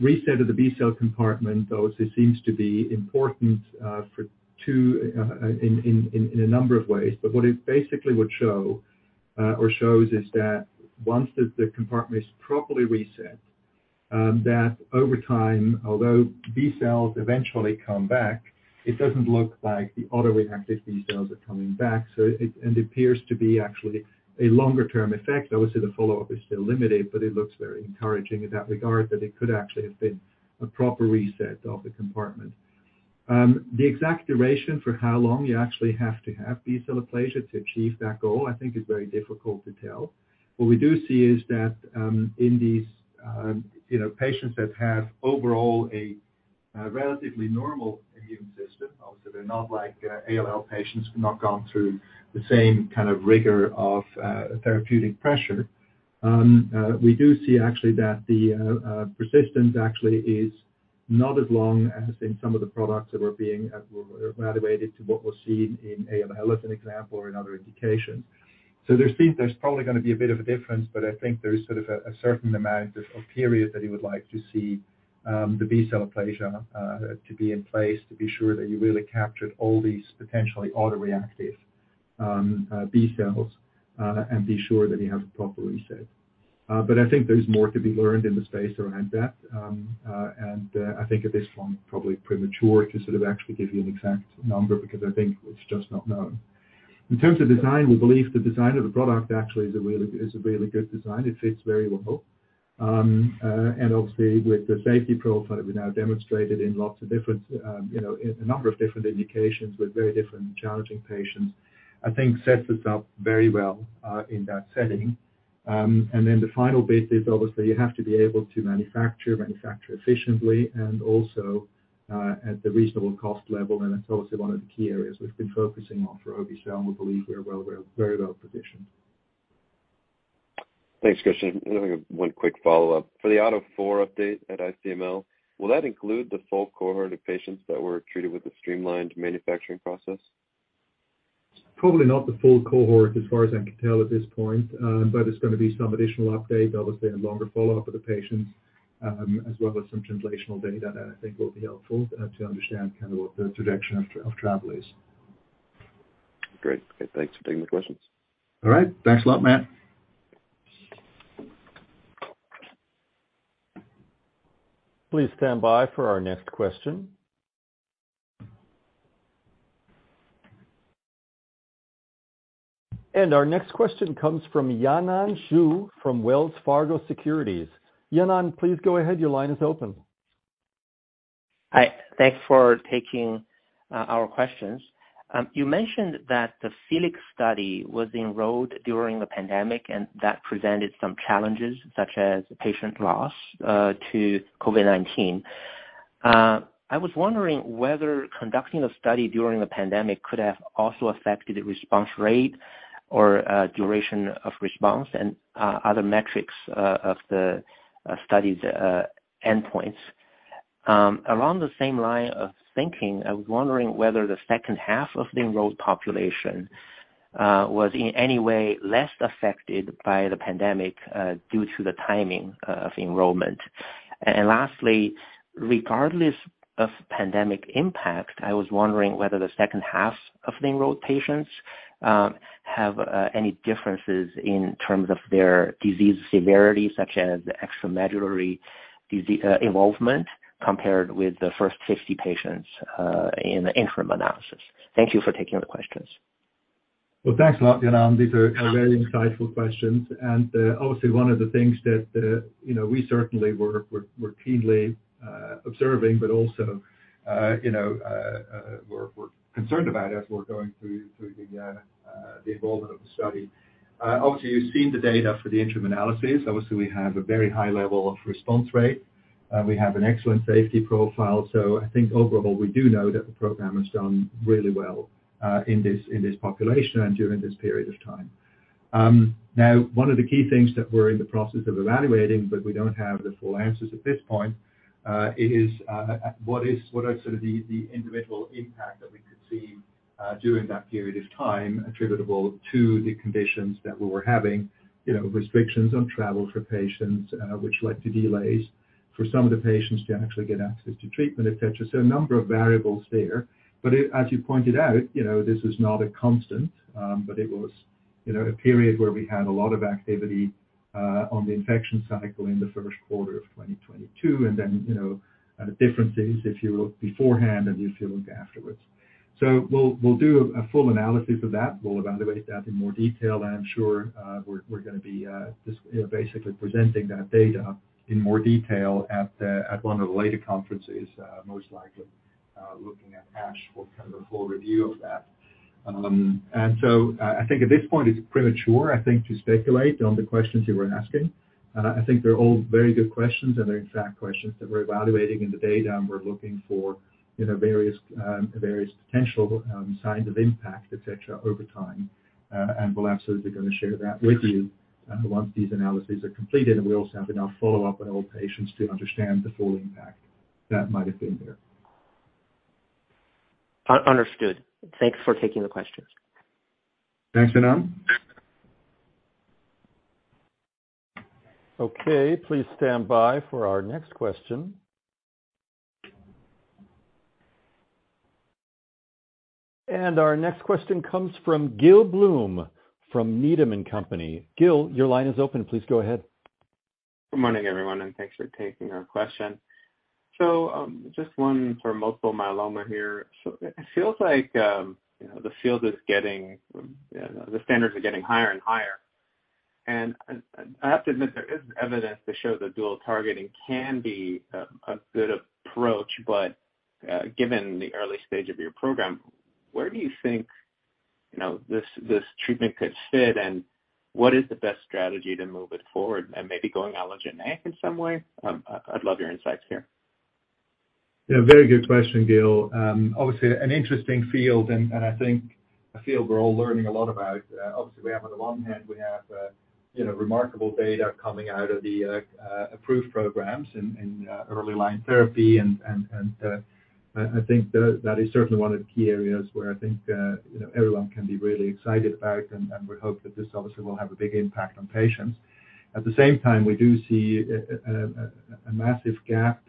reset of the B-cell compartment though it seems to be important for two in a number of ways. What it basically would show or shows is that once the compartment is properly reset that over time, although B-cells eventually come back, it doesn't look like the autoreactive B-cells are coming back. It appears to be actually a longer term effect. Obviously, the follow-up is still limited, but it looks very encouraging in that regard that it could actually have been a proper reset of the compartment. The exact duration for how long you actually have to have B-cell aplasia to achieve that goal, I think is very difficult to tell. What we do see is that, in these, you know, patients that have overall a relatively normal immune system, obviously they're not like ALL patients who've not gone through the same kind of rigor of therapeutic pressure. We do see actually that the persistence actually is not as long as in some of the products that were being graduated to what we're seeing in ALL, as an example, or in other indications. There seems there's probably gonna be a bit of a difference, but I think there is sort of a certain amount of period that you would like to see, the B-cell aplasia to be in place to be sure that you really captured all these potentially autoreactive B-cells and be sure that you have it properly set. I think there's more to be learned in the space around that. I think at this point, probably premature to sort of actually give you an exact number because I think it's just not known. In terms of design, we believe the design of the product actually is a really good design. It fits very well. Obviously, with the safety profile that we've now demonstrated, you know, in a number of different indications with very different challenging patients, I think sets us up very well in that setting. Then the final bit is obviously you have to be able to manufacture efficiently and also at the reasonable cost level. That's obviously one of the key areas we've been focusing on for obe-cel, and we believe we are very well positioned. Thanks, Christian. I have one quick follow-up. For the AUTO4 update at ICML, will that include the full cohort of patients that were treated with the streamlined manufacturing process? Probably not the full cohort as far as I can tell at this point, but it's gonna be some additional update, obviously a longer follow-up with the patients, as well as some translational data that I think will be helpful, to understand kind of what the introduction of TRAP is. Great. Okay, thanks for taking the questions. All right. Thanks a lot, Matt. Please stand by for our next question. Our next question comes from Yanan Xu from Wells Fargo Securities. Yanan, please go ahead. Your line is open. Hi. Thanks for taking our questions. You mentioned that the FELIX study was enrolled during the pandemic and that presented some challenges such as patient loss to COVID-19. I was wondering whether conducting a study during the pandemic could have also affected the response rate or duration of response and other metrics of the study's endpoints. Around the same line of thinking, I was wondering whether the second half of the enrolled population was in any way less affected by the pandemic due to the timing of enrollment. Lastly, regardless of pandemic impact, I was wondering whether the second half of the enrolled patients have any differences in terms of their disease severity, such as extramedullary disease involvement compared with the first 50 patients in the interim analysis. Thank you for taking the questions. Well, thanks a lot, Yanan. These are very insightful questions. Obviously one of the things that, you know, we certainly were keenly observing, but also, you know, we're concerned about as we're going through the involvement of the study. Obviously, you've seen the data for the interim analysis. Obviously, we have a very high level of response rate. We have an excellent safety profile. I think overall, we do know that the program has done really well in this, in this population and during this period of time. Now one of the key things that we're in the process of evaluating, but we don't have the full answers at this point, is what are sort of the individual impact that we could see during that period of time attributable to the conditions that we were having, you know, restrictions on travel for patients, which led to delays for some of the patients to actually get access to treatment, et cetera. A number of variables there. As you pointed out, you know, this is not a constant, but it was, you know, a period where we had a lot of activity on the infection cycle in the Q1 of 2022. you know, the difference is if you look beforehand and if you look afterwards. We'll do a full analysis of that. We'll evaluate that in more detail. I'm sure, we're gonna be, just, you know, basically presenting that data in more detail at one of the later conferences, most likely, looking at ASH for kind of a full review of that. I think at this point it's premature, I think, to speculate on the questions you were asking. I think they're all very good questions and they're exact questions that we're evaluating in the data and we're looking for, you know, various potential, signs of impact et cetera over time. We'll absolutely gonna share that with you, once these analyses are completed. We also have enough follow-up on all patients to understand the full impact that might have been there. Understood. Thanks for taking the question. Thanks, Yanan. Okay, please stand by for our next question. Our next question comes from Gil Blum from Needham & Company. Gil, your line is open. Please go ahead. Good morning everyone, and thanks for taking our question. Just one for multiple myeloma here. It feels like, you know, the field is getting, the standards are getting higher and higher. I have to admit there is evidence to show that dual targeting can be a good approach. Given the early stage of your program, where do you think, you know, this treatment could fit, and what is the best strategy to move it forward and maybe going allogeneic in some way? I'd love your insights here. Yeah, very good question, Gil. Obviously an interesting field and I think a field we're all learning a lot about. Obviously we have on the one hand, we have, you know, remarkable data coming out of the approved programs in early line therapy. I think that is certainly one of the key areas where I think, you know, everyone can be really excited about and we hope that this obviously will have a big impact on patients. At the same time, we do see a, a massive gap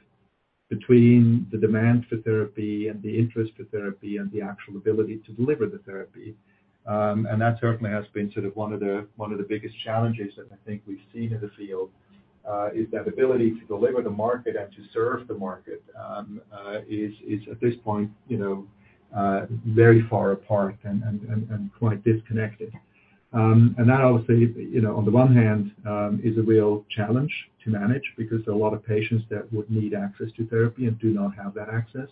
between the demand for therapy and the interest for therapy and the actual ability to deliver the therapy. That certainly has been sort of one of the, one of the biggest challenges that I think we've seen in the field, is that ability to deliver the market and to serve the market, is at this point, you know, very far apart and quite disconnected. That obviously, you know, on the one hand, is a real challenge to manage because there are a lot of patients that would need access to therapy and do not have that access.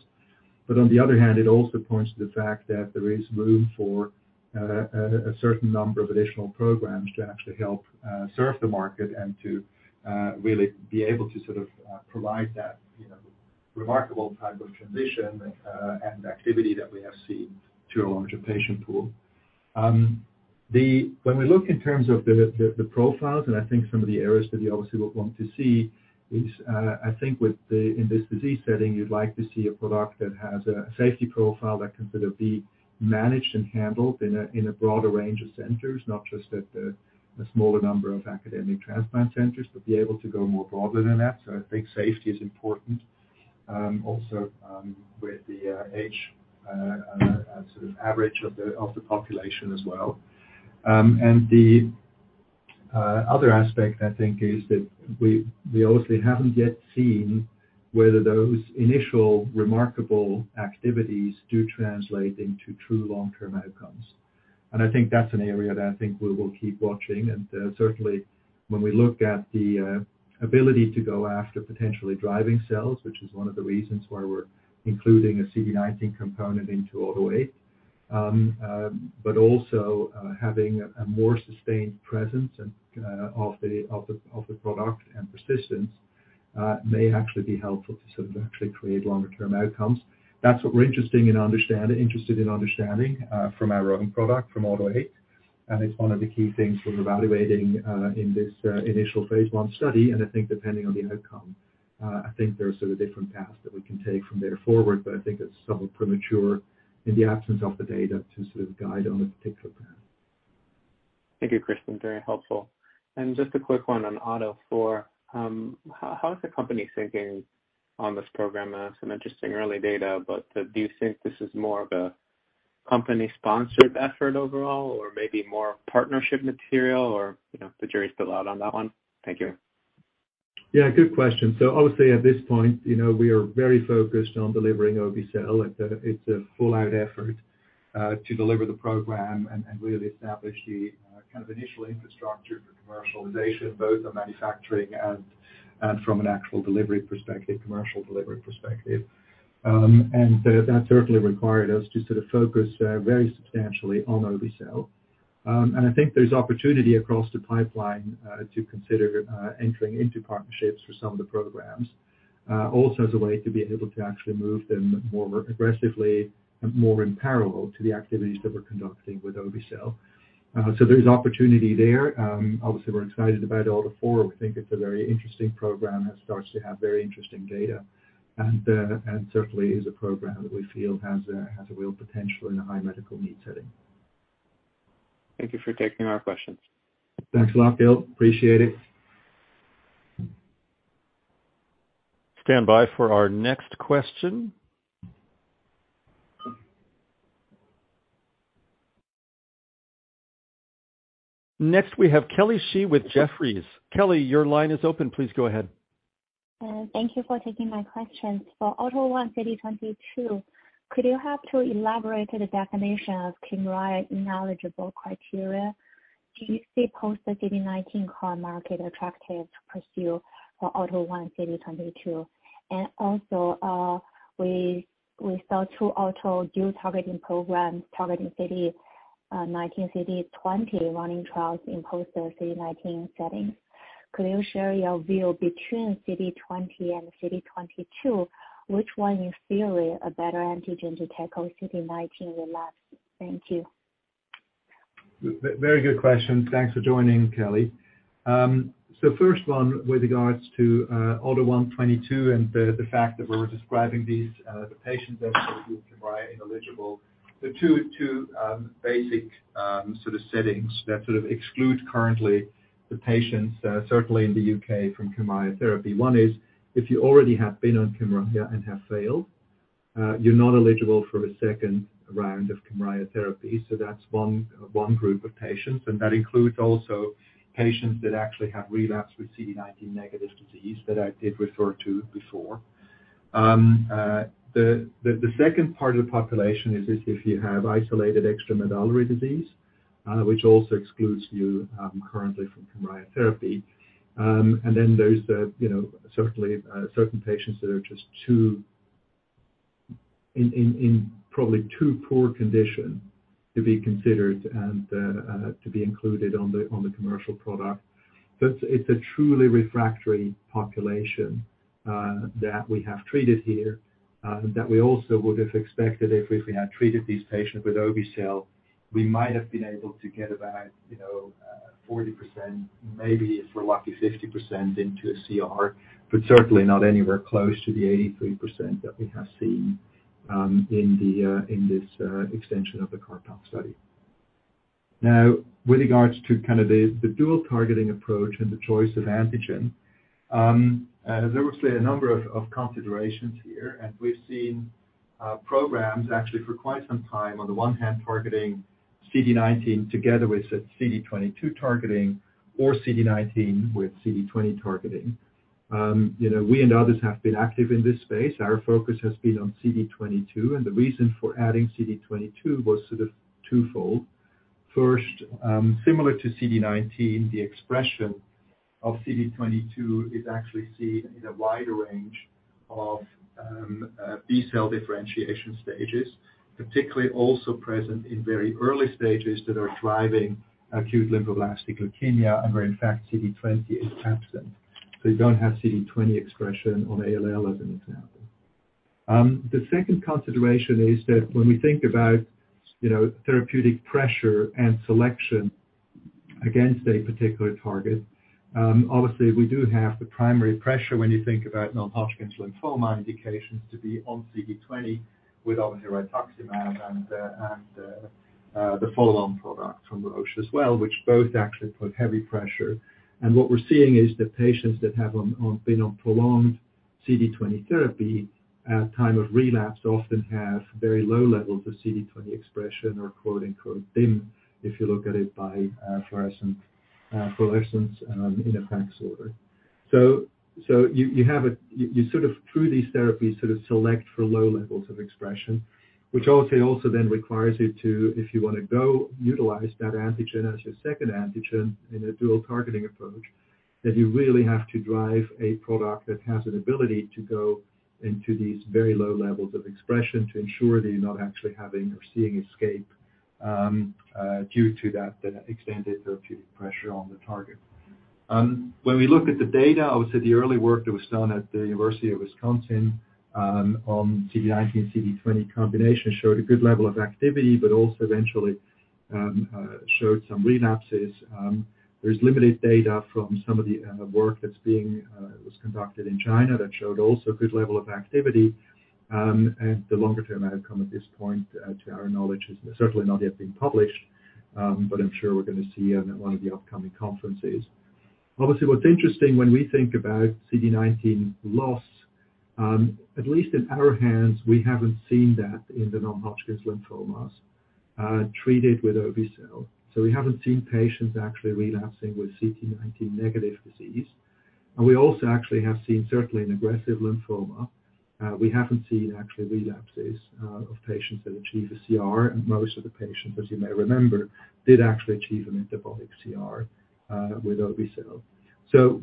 On the other hand, it also points to the fact that there is room for a certain number of additional programs to actually help serve the market and to really be able to sort of provide that, you know, remarkable type of transition and activity that we have seen to a larger patient pool. When we look in terms of the profiles, and I think some of the areas that we obviously would want to see is, I think with the, in this disease setting, you'd like to see a product that has a safety profile that can sort of be managed and handled in a broader range of centers, not just at a smaller number of academic transplant centers, but be able to go more broadly than that. I think safety is important, also, with the age sort of average of the population as well. The other aspect I think is that we obviously haven't yet seen whether those initial remarkable activities do translate into true long-term outcomes. I think that's an area that I think we will keep watching. Certainly when we look at the ability to go after potentially driving cells, which is one of the reasons why we're including a CD19 component into AUTO 8, but also having a more sustained presence and of the product and persistence, may actually be helpful to sort of actually create longer term outcomes. That's what we're interesting in understanding, interested in understanding from our own product from AUTO 8. It's one of the key things we're evaluating, in this, initial phase I study. I think depending on the outcome, I think there are sort of different paths that we can take from there forward. I think it's somewhat premature in the absence of the data to sort of guide on a particular path. Thank you, Christian. Very helpful. Just a quick one on AUTO4. How is the company thinking on this program? Some interesting early data, but do you think this is more of a company sponsored effort overall or maybe more partnership material or, you know, the jury's still out on that one? Thank you. Yeah, good question. Obviously at this point, you know, we are very focused on delivering obe-cel. It's a full-out effort to deliver the program and really establish the kind of initial infrastructure for commercialization, both on manufacturing and from an actual delivery perspective, commercial delivery perspective. That certainly required us to sort of focus very substantially on obe-cel. I think there's opportunity across the pipeline to consider entering into partnerships for some of the programs, also as a way to be able to actually move them more aggressively and more in parallel to the activities that we're conducting with obe-cel. There is opportunity there. Obviously, we're excited about all the four. We think it's a very interesting program that starts to have very interesting data and certainly is a program that we feel has a real potential in a high medical need setting. Thank you for taking our questions. Thanks a lot, Gil. Appreciate it. Stand by for our next question. Next, we have Kelly Shi with Jefferies. Kelly, your line is open. Please go ahead. Thank you for taking my questions. For AUTO1 CD22, could you help to elaborate the definition of Kymriah knowledgeable criteria? Do you see post-CD19 core market attractive to pursue for AUTO1 CD22? We saw two AUTO dual targeting programs targeting CD19, CD20 running trials in post the CD19 settings. Could you share your view between CD20 and CD22, which one is theoretically a better antigen to tackle CD19 relapse? Thank you. Very good question. Thanks for joining, Kelly. First one with regards to AUTO1/22 and the fact that we were describing these the patients that were Kymriah ineligible. The two sort of settings that sort of exclude currently the patients certainly in the U.K. from Kymriah therapy. One is if you already have been on Kymriah and have failed, you're not eligible for a second round of Kymriah therapy. That's one group of patients, and that includes also patients that actually have relapsed with CD19 negative disease that I did refer to before. The second part of the population is if you have isolated extramedullary disease, which also excludes you currently from Kymriah therapy. There's the, you know, certainly, certain patients that are just too... in probably too poor condition to be considered and to be included on the commercial product. It's a truly refractory population that we have treated here, that we also would have expected if we had treated these patients with obe-cel, we might have been able to get about, you know, 40%, maybe if we're lucky, 50% into a CR, but certainly not anywhere close to the 83% that we have seen in the in this extension of the CARPALL study. With regards to kind of the dual targeting approach and the choice of antigen, there were certainly a number of considerations here, and we've seen programs actually for quite some time on the one hand targeting CD19 together with CD22 targeting or CD19 with CD20 targeting. You know, we and others have been active in this space. Our focus has been on CD22, and the reason for adding CD22 was sort of twofold. First, similar to CD19, the expression of CD22 is actually seen in a wider range of B-cell differentiation stages, particularly also present in very early stages that are driving acute lymphoblastic leukemia and where in fact CD20 is absent. You don't have CD20 expression on ALL as an example. The second consideration is that when we think about, you know, therapeutic pressure and selection against a particular target, obviously we do have the primary pressure when you think about non-Hodgkin's lymphoma indications to be on CD20 with obinutuzumab and the follow-on product from Roche as well, which both actually put heavy pressure. What we're seeing is that patients that have been on prolonged CD20 therapy at time of relapse often have very low levels of CD20 expression or quote unquote "dim" if you look at it by fluorescent fluorescence in a FACS order. You sort of through these therapies sort of select for low levels of expression, which also then requires you to, if you want to go utilize that antigen as your second antigen in a dual targeting approach, that you really have to drive a product that has an ability to go into these very low levels of expression to ensure that you're not actually having or seeing escape due to that extended therapeutic pressure on the target. When we look at the data, obviously the early work that was done at the University of Wisconsin, on CD19, CD20 combination showed a good level of activity, but also eventually, showed some relapses. There's limited data from some of the work that's being was conducted in China that showed also good level of activity, and the longer-term outcome at this point, to our knowledge, has certainly not yet been published, but I'm sure we're gonna see at one of the upcoming conferences. Obviously, what's interesting when we think about CD19 loss, at least in our hands, we haven't seen that in the non-Hodgkin's lymphomas, treated with obe-cel. We haven't seen patients actually relapsing with CD19 negative disease. We also actually have seen certainly an aggressive lymphoma. We haven't seen actually relapses of patients that achieve a CR, and most of the patients, as you may remember, did actually achieve a metabolic CR with obe-cel.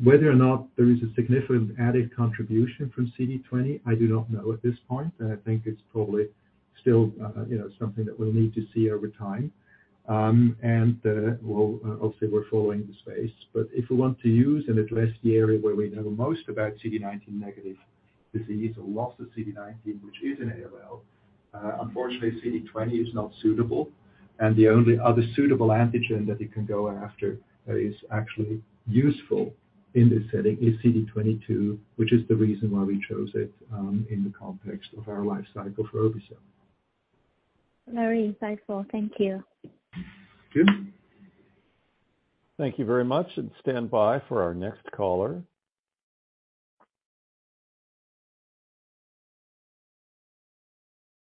Whether or not there is a significant added contribution from CD20, I do not know at this point, and I think it's probably still, you know, something that we'll need to see over time. Obviously we're following the space, but if we want to use and address the area where we know most about CD19-negative disease or loss of CD19, which is an ALL, unfortunately, CD20 is not suitable, and the only other suitable antigen that it can go after that is actually useful in this setting is CD22, which is the reason why we chose it in the context of our life cycle for obe-cel. Very insightful. Thank you. Sure. Thank you very much, and stand by for our next caller.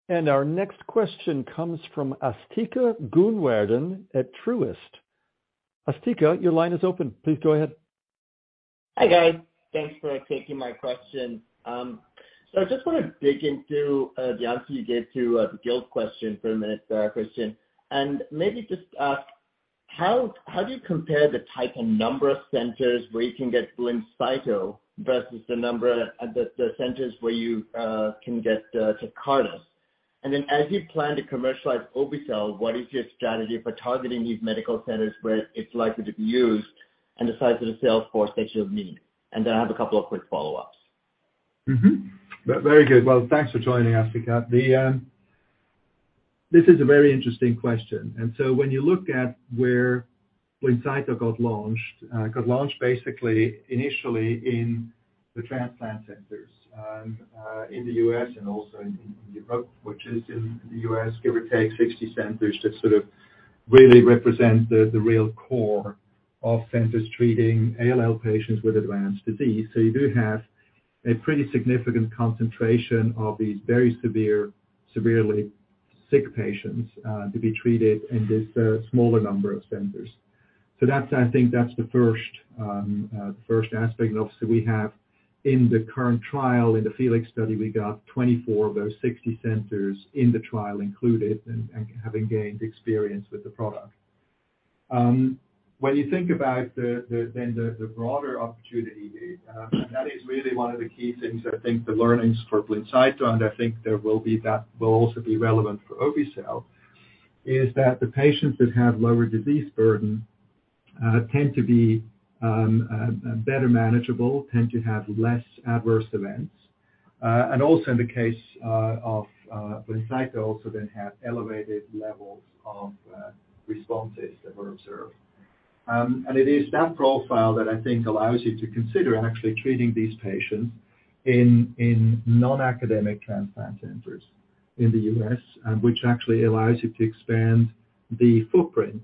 Our next question comes from Asthika Goonewardene at Truist. Asthika, your line is open. Please go ahead. Hi, guys. Thanks for taking my question. I just want to dig into the answer you gave to the Gil question for a minute, Christian, and maybe just ask, how do you compare the type and number of centers where you can get Blincyto versus the number of the centers where you can get Tecartus? As you plan to commercialize obe-cel, what is your strategy for targeting these medical centers where it's likely to be used and the size of the sales force that you'll need? I have a couple of quick follow-ups. Very good. Well, thanks for joining Asthika. This is a very interesting question. When you look at where Blincyto got launched, it got launched basically initially in the transplant centers, in the U.S. and also in Europe, which is in the U.S., give or take 60 centers that sort of really represent the real core of centers treating ALL patients with advanced disease. You do have a pretty significant concentration of these very severe, severely sick patients to be treated in this smaller number of centers. That's, I think that's the first first aspect. Obviously we have in the current trial, in the FELIX study, we got 24 of those 60 centers in the trial included and having gained experience with the product. When you think about the, then the broader opportunity, that is really one of the key things that I think the learnings for Blincyto, and I think there will be that will also be relevant for obe-cel, is that the patients that have lower disease burden, tend to be better manageable, tend to have less adverse events, and also in the case of Blincyto also then have elevated levels of responses that were observed. It is that profile that I think allows you to consider actually treating these patients in non-academic transplant centers in the U.S., which actually allows you to expand the footprint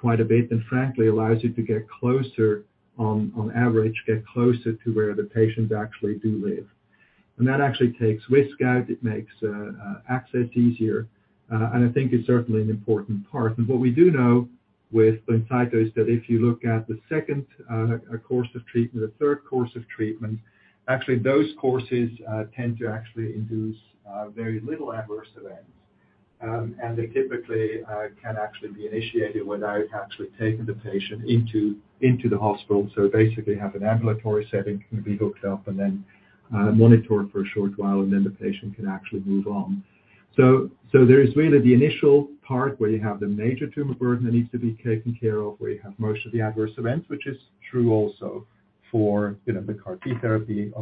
quite a bit, and frankly allows you to get closer on average, get closer to where the patients actually do live. That actually takes risk out, it makes access easier, and I think it's certainly an important part. What we do know with Blincyto is that if you look at the second course of treatment, the third course of treatment, actually those courses tend to actually induce very little adverse events. They typically can actually be initiated without actually taking the patient into the hospital. Basically have an ambulatory setting, can be hooked up and then monitored for a short while, and then the patient can actually move on. There is really the initial part where you have the major tumor burden that needs to be taken care of, where you have most of the adverse events, which is true also for, you know, the CAR T therapy.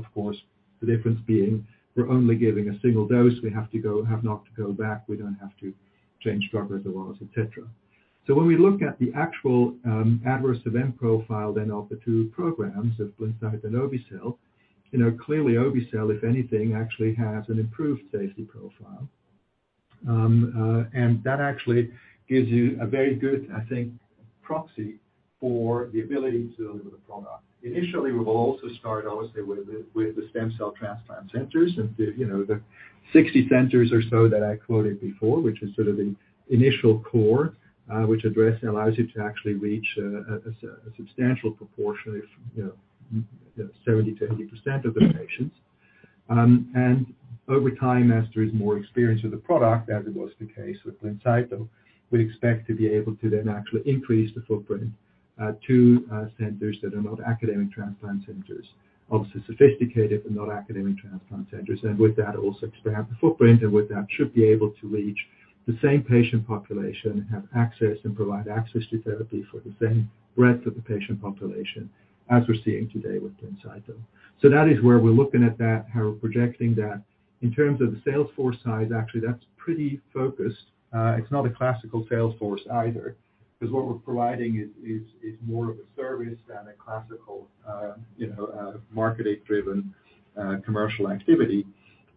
The difference being we're only giving a single dose. We have not to go back. We don't have to change drugs or the oils, et cetera. When we look at the actual adverse event profile then of the two programs of Blincyto and obe-cel, you know, clearly obe-cel, if anything, actually has an improved safety profile. That actually gives you a very good, I think, proxy for the ability to deliver the product. Initially, we will also start obviously with the, with the stem cell transplant centers and the, you know, the 60 centers or so that I quoted before, which is sort of the initial core, which address allows you to actually reach a substantial proportion if, you know, 70%-80% of the patients. Over time, as there is more experience with the product, as it was the case with Blincyto, we expect to be able to then actually increase the footprint to centers that are not academic transplant centers. Obviously sophisticated, but not academic transplant centers. With that, also expand the footprint, and with that should be able to reach the same patient population, have access and provide access to therapy for the same breadth of the patient population as we're seeing today with Blincyto. That is where we're looking at that, how we're projecting that. In terms of the sales force size, actually, that's pretty focused. It's not a classical sales force either, because what we're providing is more of a service than a classical, you know, marketing-driven commercial activity.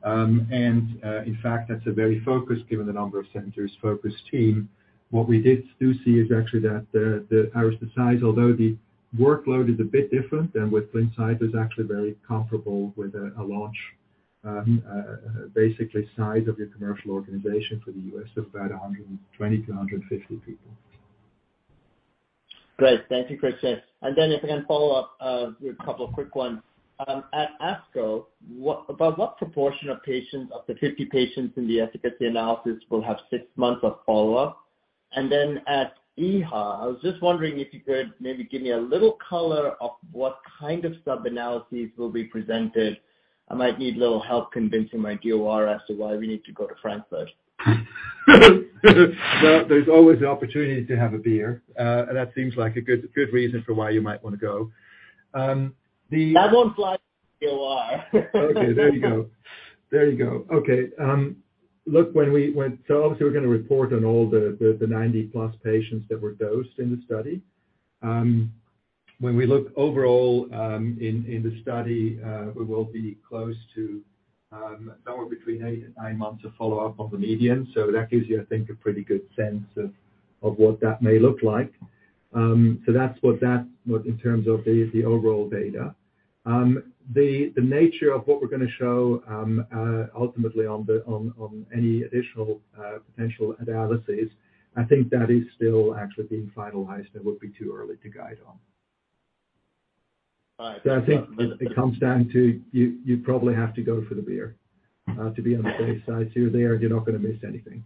In fact, that's a very focused, given the number of centers, focused team. What we did do see is actually that the size, although the workload is a bit different than with Blincyto, is actually very comparable with a large, basically size of your commercial organization for the U.S. of about 120-150 people. Great. Thank you, Christian. Then if I can follow up with a couple of quick ones. At ASCO, about what proportion of patients of the 50 patients in the efficacy analysis will have six months of follow-up? Then at EHA, I was just wondering if you could maybe give me a little color of what kind of sub-analysis will be presented. I might need a little help convincing my DOR as to why we need to go to Frankfurt. Well, there's always the opportunity to have a beer. That seems like a good reason for why you might wanna go. I won't fly DOR. Okay, there you go. There you go. Okay. Look, obviously we're gonna report on all the 90-plus patients that were dosed in the study. When we look overall, in the study, we will be close to somewhere between 8 and nine months of follow-up on the median. That gives you, I think, a pretty good sense of what that may look like. That's what that in terms of the overall data. The nature of what we're gonna show ultimately on any additional potential analysis, I think that is still actually being finalized. It would be too early to guide on. All right. I think it comes down to you probably have to go for the beer to be on the safe side. You're there, you're not gonna miss anything.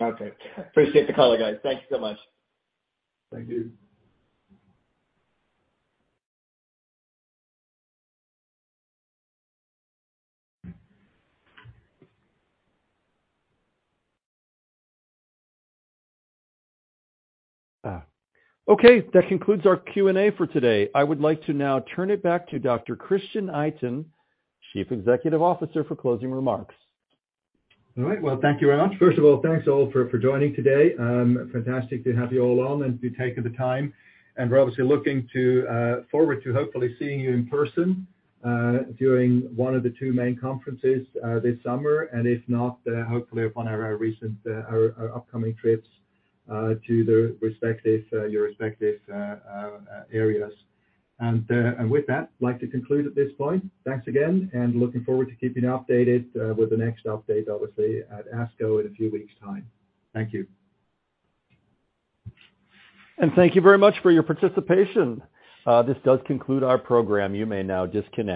Okay. Appreciate the color, guys. Thank you so much. Thank you. Okay. That concludes our Q&A for today. I would like to now turn it back to Dr. Christian Itin, Chief Executive Officer, for closing remarks. All right. Well, thank you very much. First of all, thanks all for joining today. Fantastic to have you all on and you taking the time. We're obviously looking to forward to hopefully seeing you in person during one of the two main conferences this summer. If not, hopefully upon our recent our upcoming trips to the respective your respective areas. With that, I'd like to conclude at this point. Thanks again, and looking forward to keeping you updated with the next update, obviously at ASCO in a few weeks' time. Thank you. Thank you very much for your participation. This does conclude our program. You may now disconnect.